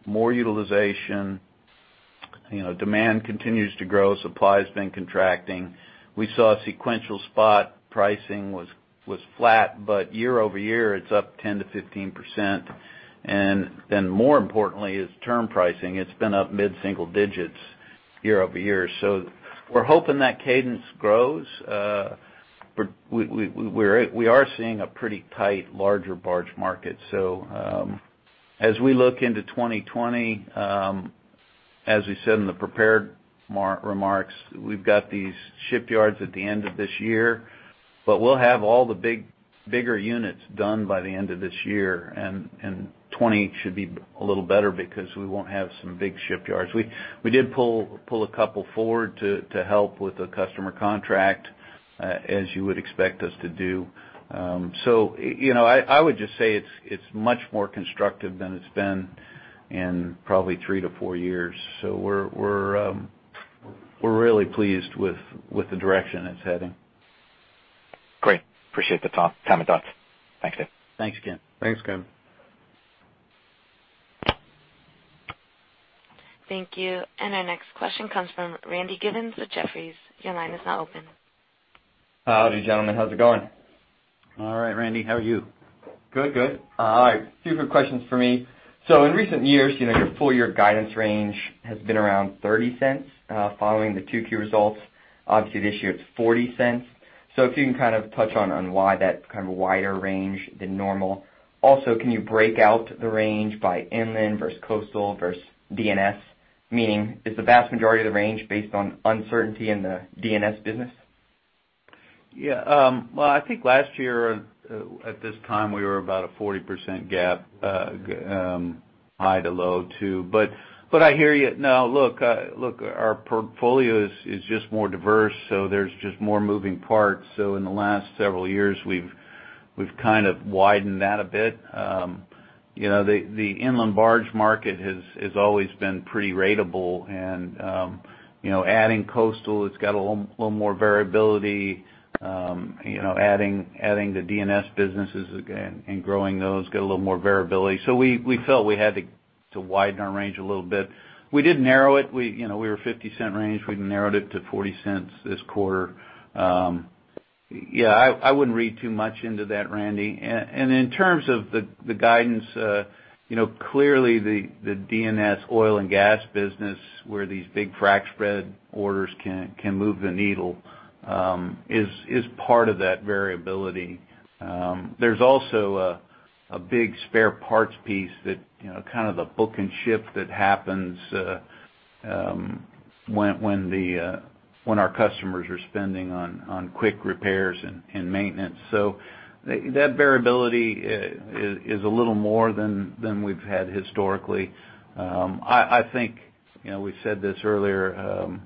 Speaker 3: more utilization. You know, demand continues to grow, supply has been contracting. We saw a sequential spot pricing was flat, but year-over-year, it's up 10%-15%. And then more importantly, is term pricing. It's been up mid-single-digits year-over-year. So we're hoping that cadence grows. We are seeing a pretty tight, larger barge market. So, as we look into 2020, as we said in the prepared remarks, we've got these shipyards at the end of this year, but we'll have all the big, bigger units done by the end of this year, and 2020 should be a little better because we won't have some big shipyards. We did pull a couple forward to help with the customer contract, as you would expect us to do. So, you know, I would just say it's much more constructive than it's been in probably three to four years. So we're really pleased with the direction it's heading.
Speaker 8: Great. Appreciate the time to talk. Thanks, Dave.
Speaker 3: Thanks, Ken.
Speaker 4: Thanks, Ken.
Speaker 1: Thank you. Our next question comes from Randy Giveans with Jefferies. Your line is now open.
Speaker 9: How are you, gentlemen? How's it going?
Speaker 3: All right, Randy, how are you?
Speaker 9: Good, good. All right, two quick questions for me. In recent years, you know, your full year guidance range has been around $0.30, following the 2Q results. Obviously, this year, it's $0.40. If you can kind of touch on, on why that's kind of a wider range than normal. Also, can you break out the range by inland versus coastal versus D&S? Meaning, is the vast majority of the range based on uncertainty in the D&S business?
Speaker 3: Yeah, well, I think last year at this time, we were about a 40% gap, high to low, too. I hear you. Now, look, our portfolio is just more diverse, so there's just more moving parts. In the last several years, we've kind of widened that a bit. You know, the inland barge market has always been pretty ratable, and, you know, adding coastal, it's got a little more variability. You know, adding the D&S businesses again and growing those get a little more variability. We felt we had to widen our range a little bit. We did narrow it. We were $0.50 range. We narrowed it to $0.40 this quarter. Yeah, I wouldn't read too much into that, Randy. In terms of the guidance, you know, clearly, the D&S oil and gas business, where these big frac spread orders can move the needle, is part of that variability. There's also a big spare parts piece that, you know, kind of the book and ship that happens, when our customers are spending on quick repairs and maintenance. So that variability is a little more than we've had historically. I think, you know, we said this earlier,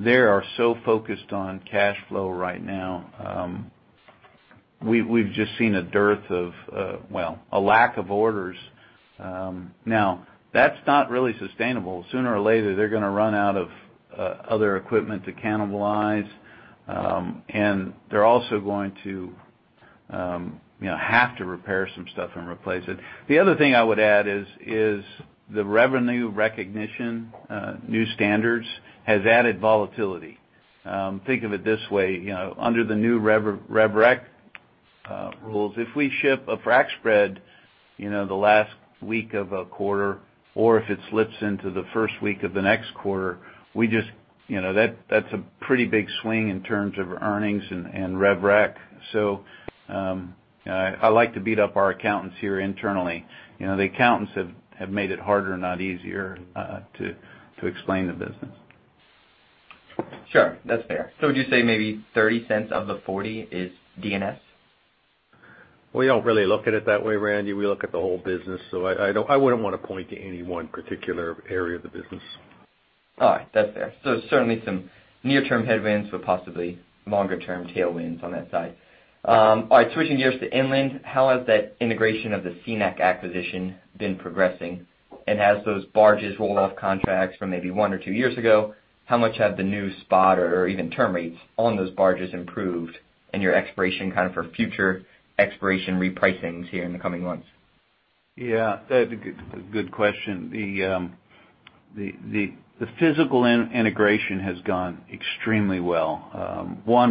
Speaker 3: they are so focused on cash flow right now. We've just seen a dearth of, well, a lack of orders. Now, that's not really sustainable. Sooner or later, they're gonna run out of other equipment to cannibalize, and they're also going to, you know, have to repair some stuff and replace it. The other thing I would add is the revenue recognition new standards has added volatility. Think of it this way, you know, under the new rev rec rules, if we ship a frac spread, you know, the last week of a quarter, or if it slips into the first week of the next quarter, we just, you know, that's a pretty big swing in terms of earnings and rev rec. So, I like to beat up our accountants here internally. You know, the accountants have made it harder, not easier to explain the business.
Speaker 9: Sure, that's fair. So would you say maybe $0.30 of the $0.40 is D&S?
Speaker 4: We don't really look at it that way, Randy. We look at the whole business, so I—I wouldn't want to point to any one particular area of the business.
Speaker 9: All right, that's fair. So certainly some near-term headwinds, but possibly longer-term tailwinds on that side. All right, switching gears to inland, how has that integration of the Cenac acquisition been progressing? And as those barges roll off contracts from maybe one or two years ago, how much have the new spot or even term rates on those barges improved and your expiration kind of for future expiration repricings here in the coming months?
Speaker 3: Yeah, that's a good question. The physical integration has gone extremely well.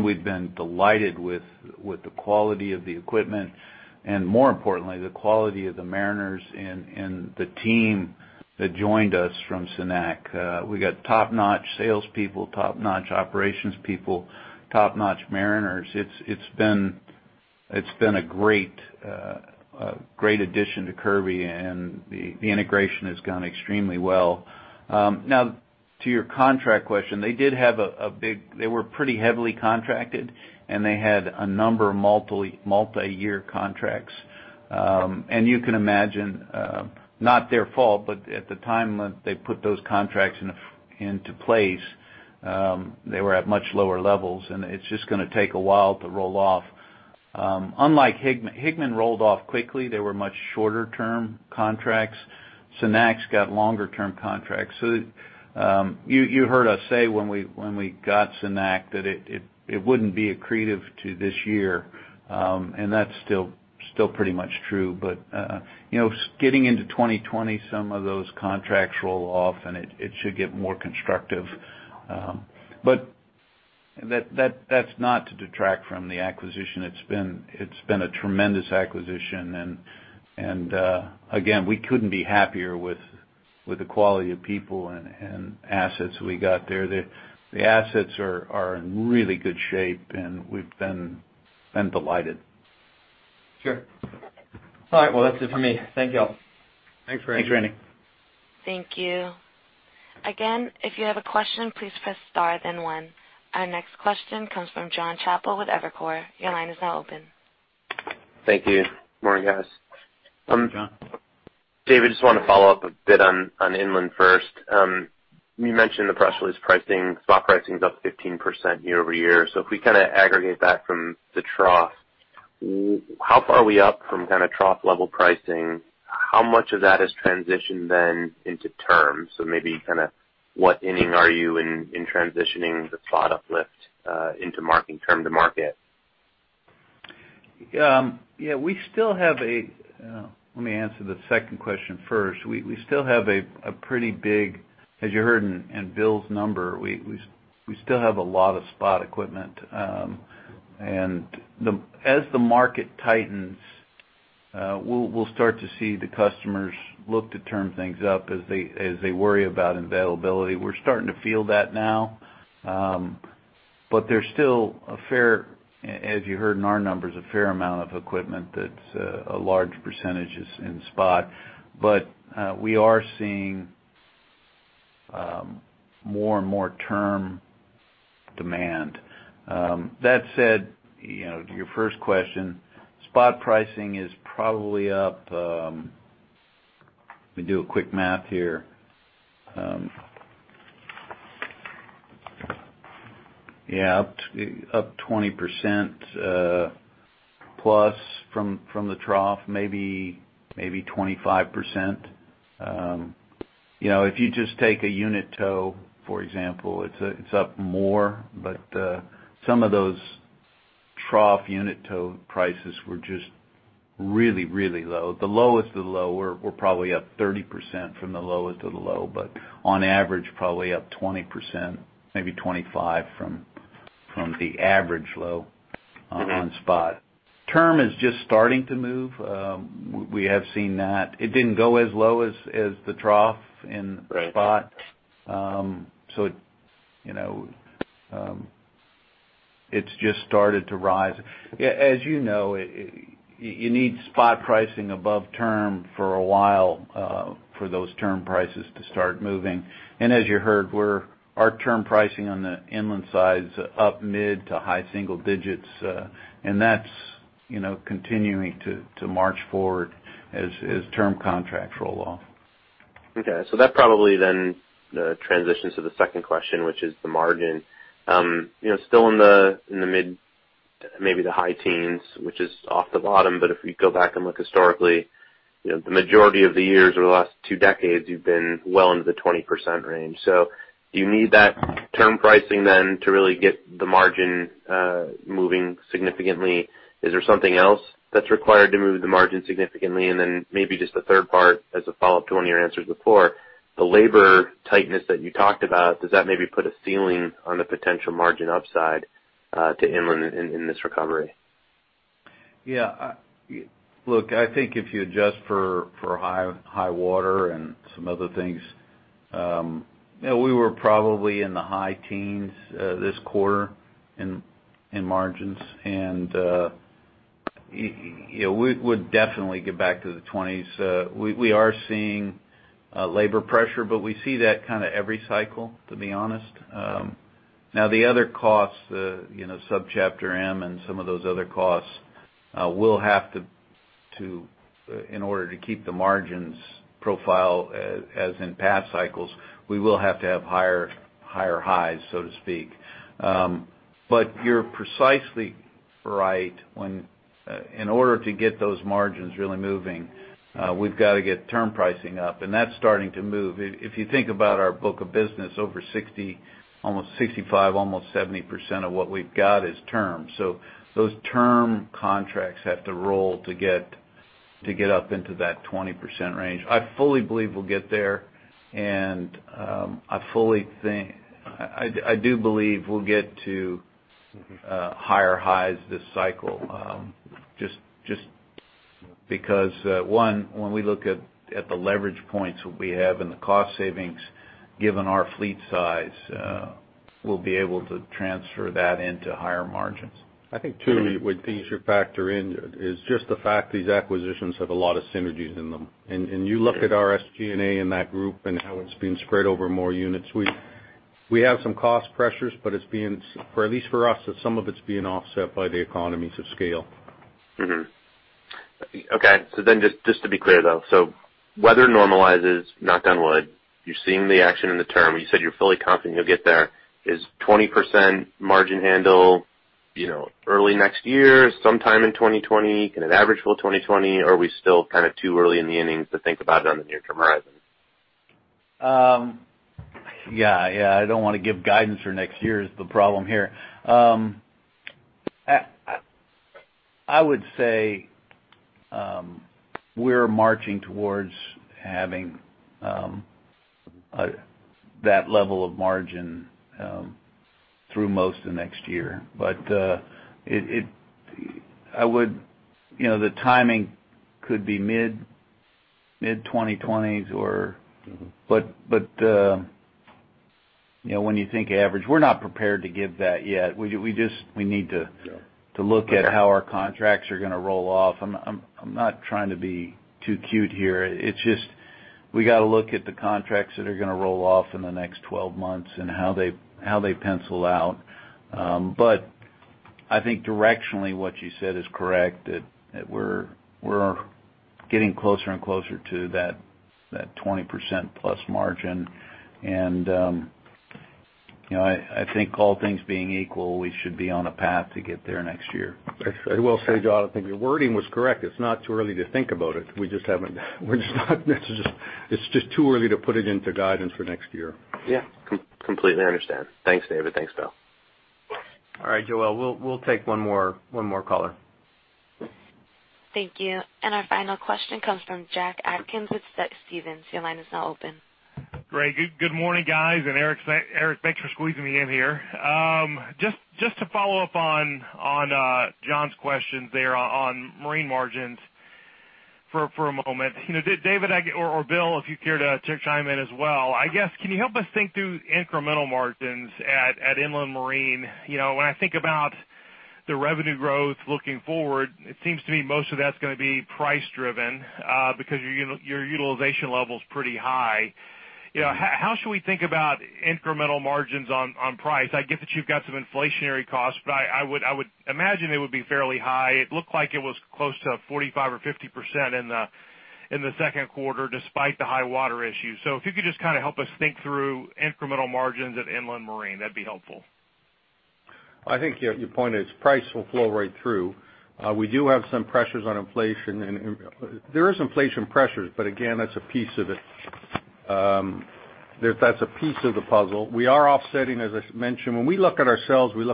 Speaker 3: We've been delighted with the quality of the equipment, and more importantly, the quality of the mariners and the team that joined us from Cenac. We got top-notch salespeople, top-notch operations people, top-notch mariners. It's been a great addition to Kirby, and the integration has gone extremely well. Now, to your contract question, they did have a big... They were pretty heavily contracted, and they had a number of multi-year contracts. And you can imagine, not their fault, but at the time when they put those contracts into place, they were at much lower levels, and it's just gonna take a while to roll off. Unlike Higman. Higman rolled off quickly. They were much shorter-term contracts. Cenac's got longer-term contracts. So, you heard us say when we got Cenac, that it wouldn't be accretive to this year. And that's still pretty much true, but you know, getting into 2020, some of those contracts roll off, and it should get more constructive. But that's not to detract from the acquisition. It's been a tremendous acquisition, and again, we couldn't be happier with the quality of people and assets we got there. The assets are in really good shape, and we've been delighted.
Speaker 9: Sure. All right, well, that's it for me. Thank you all.
Speaker 3: Thanks, Randy.
Speaker 4: Thanks, Randy.
Speaker 1: Thank you. Again, if you have a question, please press star, then one. Our next question comes from Jon Chappell with Evercore. Your line is now open.
Speaker 10: Thank you. Morning, guys.
Speaker 3: Jon.
Speaker 10: David, just want to follow up a bit on inland first. You mentioned the press release pricing. Spot pricing is up 15% year-over-year. So if we kind of aggregate that from the trough, how far are we up from kind of trough-level pricing? How much of that has transitioned then into terms? So maybe kind of what inning are you in transitioning the spot uplift into mark-to-market?
Speaker 3: Yeah, we still have a... Let me answer the second question first. We still have a pretty big, as you heard in Bill's number, we still have a lot of spot equipment. And as the market tightens, we'll start to see the customers look to term things up as they worry about availability. We're starting to feel that now. But there's still a fair, as you heard in our numbers, a fair amount of equipment that's a large percentage is in spot. But we are seeing more and more term demand. That said, you know, to your first question, spot pricing is probably up. Let me do a quick math here. Yeah, up 20%+, from the trough, maybe 25%. You know, if you just take a unit tow, for example, it's up more, but some of those trough unit tow prices were just really, really low. The lowest of the low were probably up 30% from the lowest of the low, but on average, probably up 20%, maybe 25% from the average low on spot. Term is just starting to move. We have seen that. It didn't go as low as the trough in spot.
Speaker 10: Right.
Speaker 3: So it, you know, it's just started to rise. As you know, it, you need spot pricing above term for a while, for those term prices to start moving. And as you heard, our term pricing on the inland side is up mid to high single-digits, and that's, you know, continuing to march forward as term contracts roll off.
Speaker 10: Okay, so that probably then transitions to the second question, which is the margin. You know, still in the mid, maybe the high teens, which is off the bottom, but if you go back and look historically, you know, the majority of the years over the last two decades, you've been well into the 20% range. So do you need that term pricing then to really get the margin moving significantly? Is there something else that's required to move the margin significantly? And then maybe just the third part as a follow-up to one of your answers before, the labor tightness that you talked about, does that maybe put a ceiling on the potential margin upside to inland in this recovery?
Speaker 3: Yeah. Look, I think if you adjust for high water and some other things, you know, we were probably in the high teens this quarter in margins. You know, we would definitely get back to the twenties. We are seeing labor pressure, but we see that kind of every cycle, to be honest.
Speaker 10: Mm-hmm.
Speaker 3: Now, the other costs, you know, Subchapter M and some of those other costs, will have to in order to keep the margins profile as in past cycles, we will have to have higher, higher highs, so to speak. But you're precisely right when in order to get those margins really moving, we've got to get term pricing up, and that's starting to move. If you think about our book of business, over 60%, almost 65%, almost 70% of what we've got is term. So those term contracts have to roll to get up into that 20% range. I fully believe we'll get there, and I fully think... I do believe we'll get to-
Speaker 10: Mm-hmm...
Speaker 3: higher highs this cycle. Just because when we look at the leverage points that we have and the cost savings, given our fleet size, we'll be able to transfer that into higher margins.
Speaker 4: I think, too, what you should factor in is just the fact these acquisitions have a lot of synergies in them.
Speaker 3: Yeah.
Speaker 4: And you look at our SG&A in that group and how it's being spread over more units, we have some cost pressures, but it's being, or at least for us, some of it's being offset by the economies of scale.
Speaker 10: Okay, so then just to be clear, though. So weather normalizes, knock on wood. You're seeing the action in the term. You said you're fully confident you'll get there. Is 20% margin handle, you know, early next year, sometime in 2020, kind of average till 2020? Or are we still kind of too early in the innings to think about it on the near-term horizon?
Speaker 3: Yeah, yeah, I don't want to give guidance for next year is the problem here. I, I would say, we're marching towards having, that level of margin, through most of next year. But, it, it... I would, you know, the timing could be mid-2020s or-
Speaker 10: Mm-hmm.
Speaker 3: You know, when you think average, we're not prepared to give that yet. We just—we need to—
Speaker 4: Yeah...
Speaker 3: to look at how our contracts are going to roll off. I'm not trying to be too cute here. It's just, we got to look at the contracts that are going to roll off in the next 12 months and how they pencil out. But I think directionally, what you said is correct, that we're getting closer and closer to that 20%+ margin. You know, I think all things being equal, we should be on a path to get there next year.
Speaker 4: I will say, Jon, I think your wording was correct. It's not too early to think about it. We just haven't. We're just not. It's just too early to put it into guidance for next year.
Speaker 10: Yeah, completely understand. Thanks, David. Thanks, Bill.
Speaker 2: All right, Joel, we'll, we'll take one more, one more caller.
Speaker 1: Thank you. Our final question comes from Jack Atkins with Stephens. Your line is now open.
Speaker 11: Great. Good morning, guys. And Eric, thanks for squeezing me in here. Just to follow up on Jon's questions there on marine margins for a moment. You know, David, or Bill, if you'd care to chime in as well. I guess, can you help us think through incremental margins at Inland Marine? You know, when I think about the revenue growth looking forward, it seems to me most of that's gonna be price driven, because your utilization level is pretty high. You know, how should we think about incremental margins on price? I get that you've got some inflationary costs, but I would imagine it would be fairly high. It looked like it was close to 45% or 50% in the second quarter, despite the high water issues. So if you could just kind of help us think through incremental margins at Inland Marine, that'd be helpful.
Speaker 4: I think your point is price will flow right through. We do have some pressures on inflation, and there is inflation pressures, but again, that's a piece of it. That's a piece of the puzzle. We are offsetting, as I mentioned. When we look at ourselves and we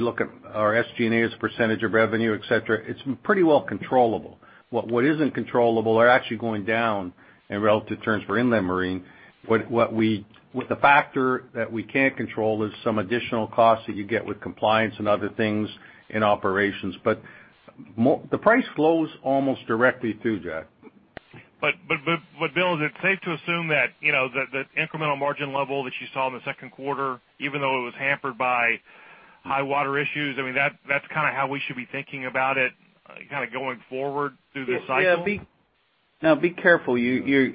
Speaker 4: look at our SG&A as a percentage of revenue, et cetera, it's pretty well controllable. What isn't controllable are actually going down in relative terms for Inland Marine. The factor that we can't control is some additional costs that you get with compliance and other things in operations. But the price flows almost directly through, Jack.
Speaker 11: But Bill, is it safe to assume that, you know, the incremental margin level that you saw in the second quarter, even though it was hampered by high water issues, I mean, that's kind of how we should be thinking about it, kind of going forward through the cycle?
Speaker 3: Yeah, now be careful. You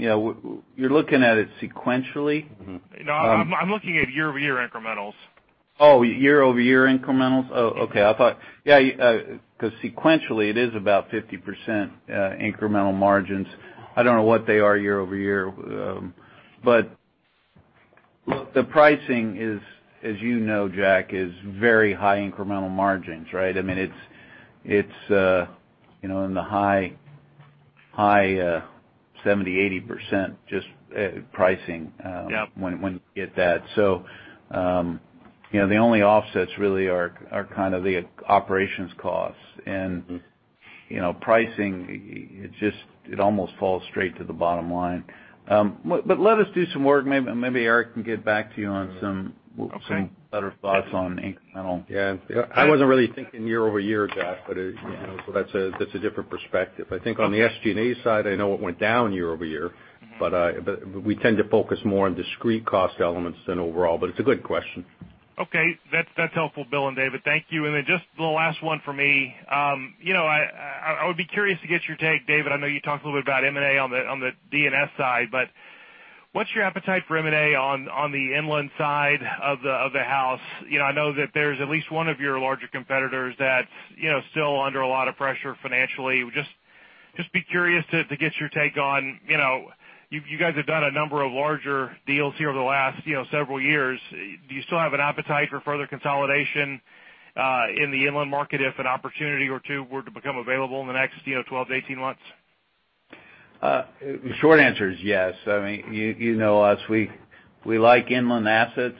Speaker 3: know, you're looking at it sequentially.
Speaker 11: Mm-hmm. No, I'm looking at year-over-year incrementals.
Speaker 3: Oh, year-over-year incrementals? Oh, okay. I thought... Yeah, because sequentially, it is about 50%, incremental margins. I don't know what they are year-over-year, but look, the pricing is, as you know, Jack, is very high incremental margins, right? I mean, it's, it's, you know, in the high, high, 70%-80% just, pricing-
Speaker 11: Yep.
Speaker 3: When you get that. So, you know, the only offsets really are kind of the operations costs.
Speaker 11: Mm-hmm.
Speaker 3: You know, pricing, it just, it almost falls straight to the bottom line. But, but let us do some work. Maybe Eric can get back to you on some-
Speaker 11: Okay.
Speaker 3: Some better thoughts on incremental.
Speaker 4: Yeah. I wasn't really thinking year-over-year, Jack, but you know, so that's a different perspective. I think on the SG&A side, I know it went down year-over-year, but we tend to focus more on discrete cost elements than overall. But it's a good question.
Speaker 11: Okay. That's, that's helpful, Bill and David. Thank you. And then just the last one for me. You know, I would be curious to get your take, David, I know you talked a little bit about M&A on the D&S side, but what's your appetite for M&A on the inland side of the house? You know, I know that there's at least one of your larger competitors that's, you know, still under a lot of pressure financially. Just be curious to get your take on... You know, you guys have done a number of larger deals here over the last, you know, several years. Do you still have an appetite for further consolidation in the inland market if an opportunity or two were to become available in the next, you know, 12-18 months?
Speaker 3: Short answer is yes. I mean, you know us, we like inland assets.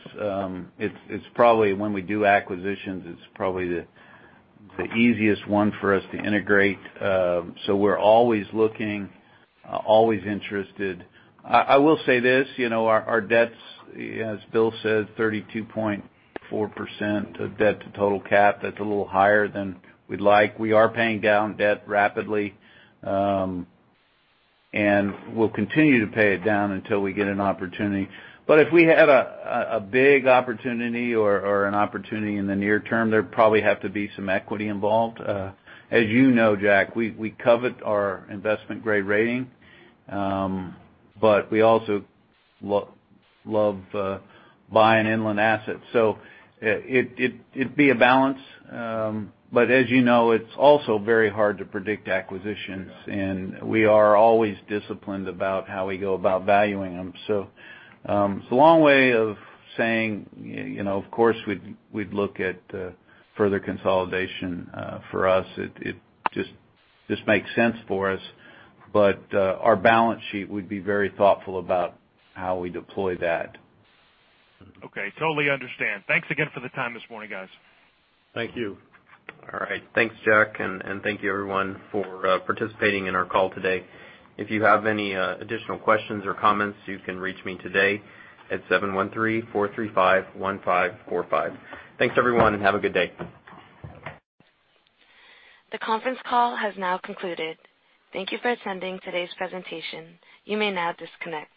Speaker 3: It's probably when we do acquisitions, it's probably the easiest one for us to integrate. So we're always looking, always interested. I will say this, you know, our debts, as Bill said, 32.4% debt to total cap, that's a little higher than we'd like. We are paying down debt rapidly, and we'll continue to pay it down until we get an opportunity. But if we had a big opportunity or an opportunity in the near term, there'd probably have to be some equity involved. As you know, Jack, we covet our investment-grade rating, but we also love buying inland assets. So it'd be a balance, but as you know, it's also very hard to predict acquisitions, and we are always disciplined about how we go about valuing them. So, it's a long way of saying, you know, of course, we'd look at further consolidation. For us, it makes sense for us, but our balance sheet, we'd be very thoughtful about how we deploy that.
Speaker 11: Okay. Totally understand. Thanks again for the time this morning, guys.
Speaker 4: Thank you.
Speaker 2: All right. Thanks, Jack, and thank you, everyone, for participating in our call today. If you have any additional questions or comments, you can reach me today at 713-435-1545. Thanks, everyone, and have a good day.
Speaker 1: The conference call has now concluded. Thank you for attending today's presentation. You may now disconnect.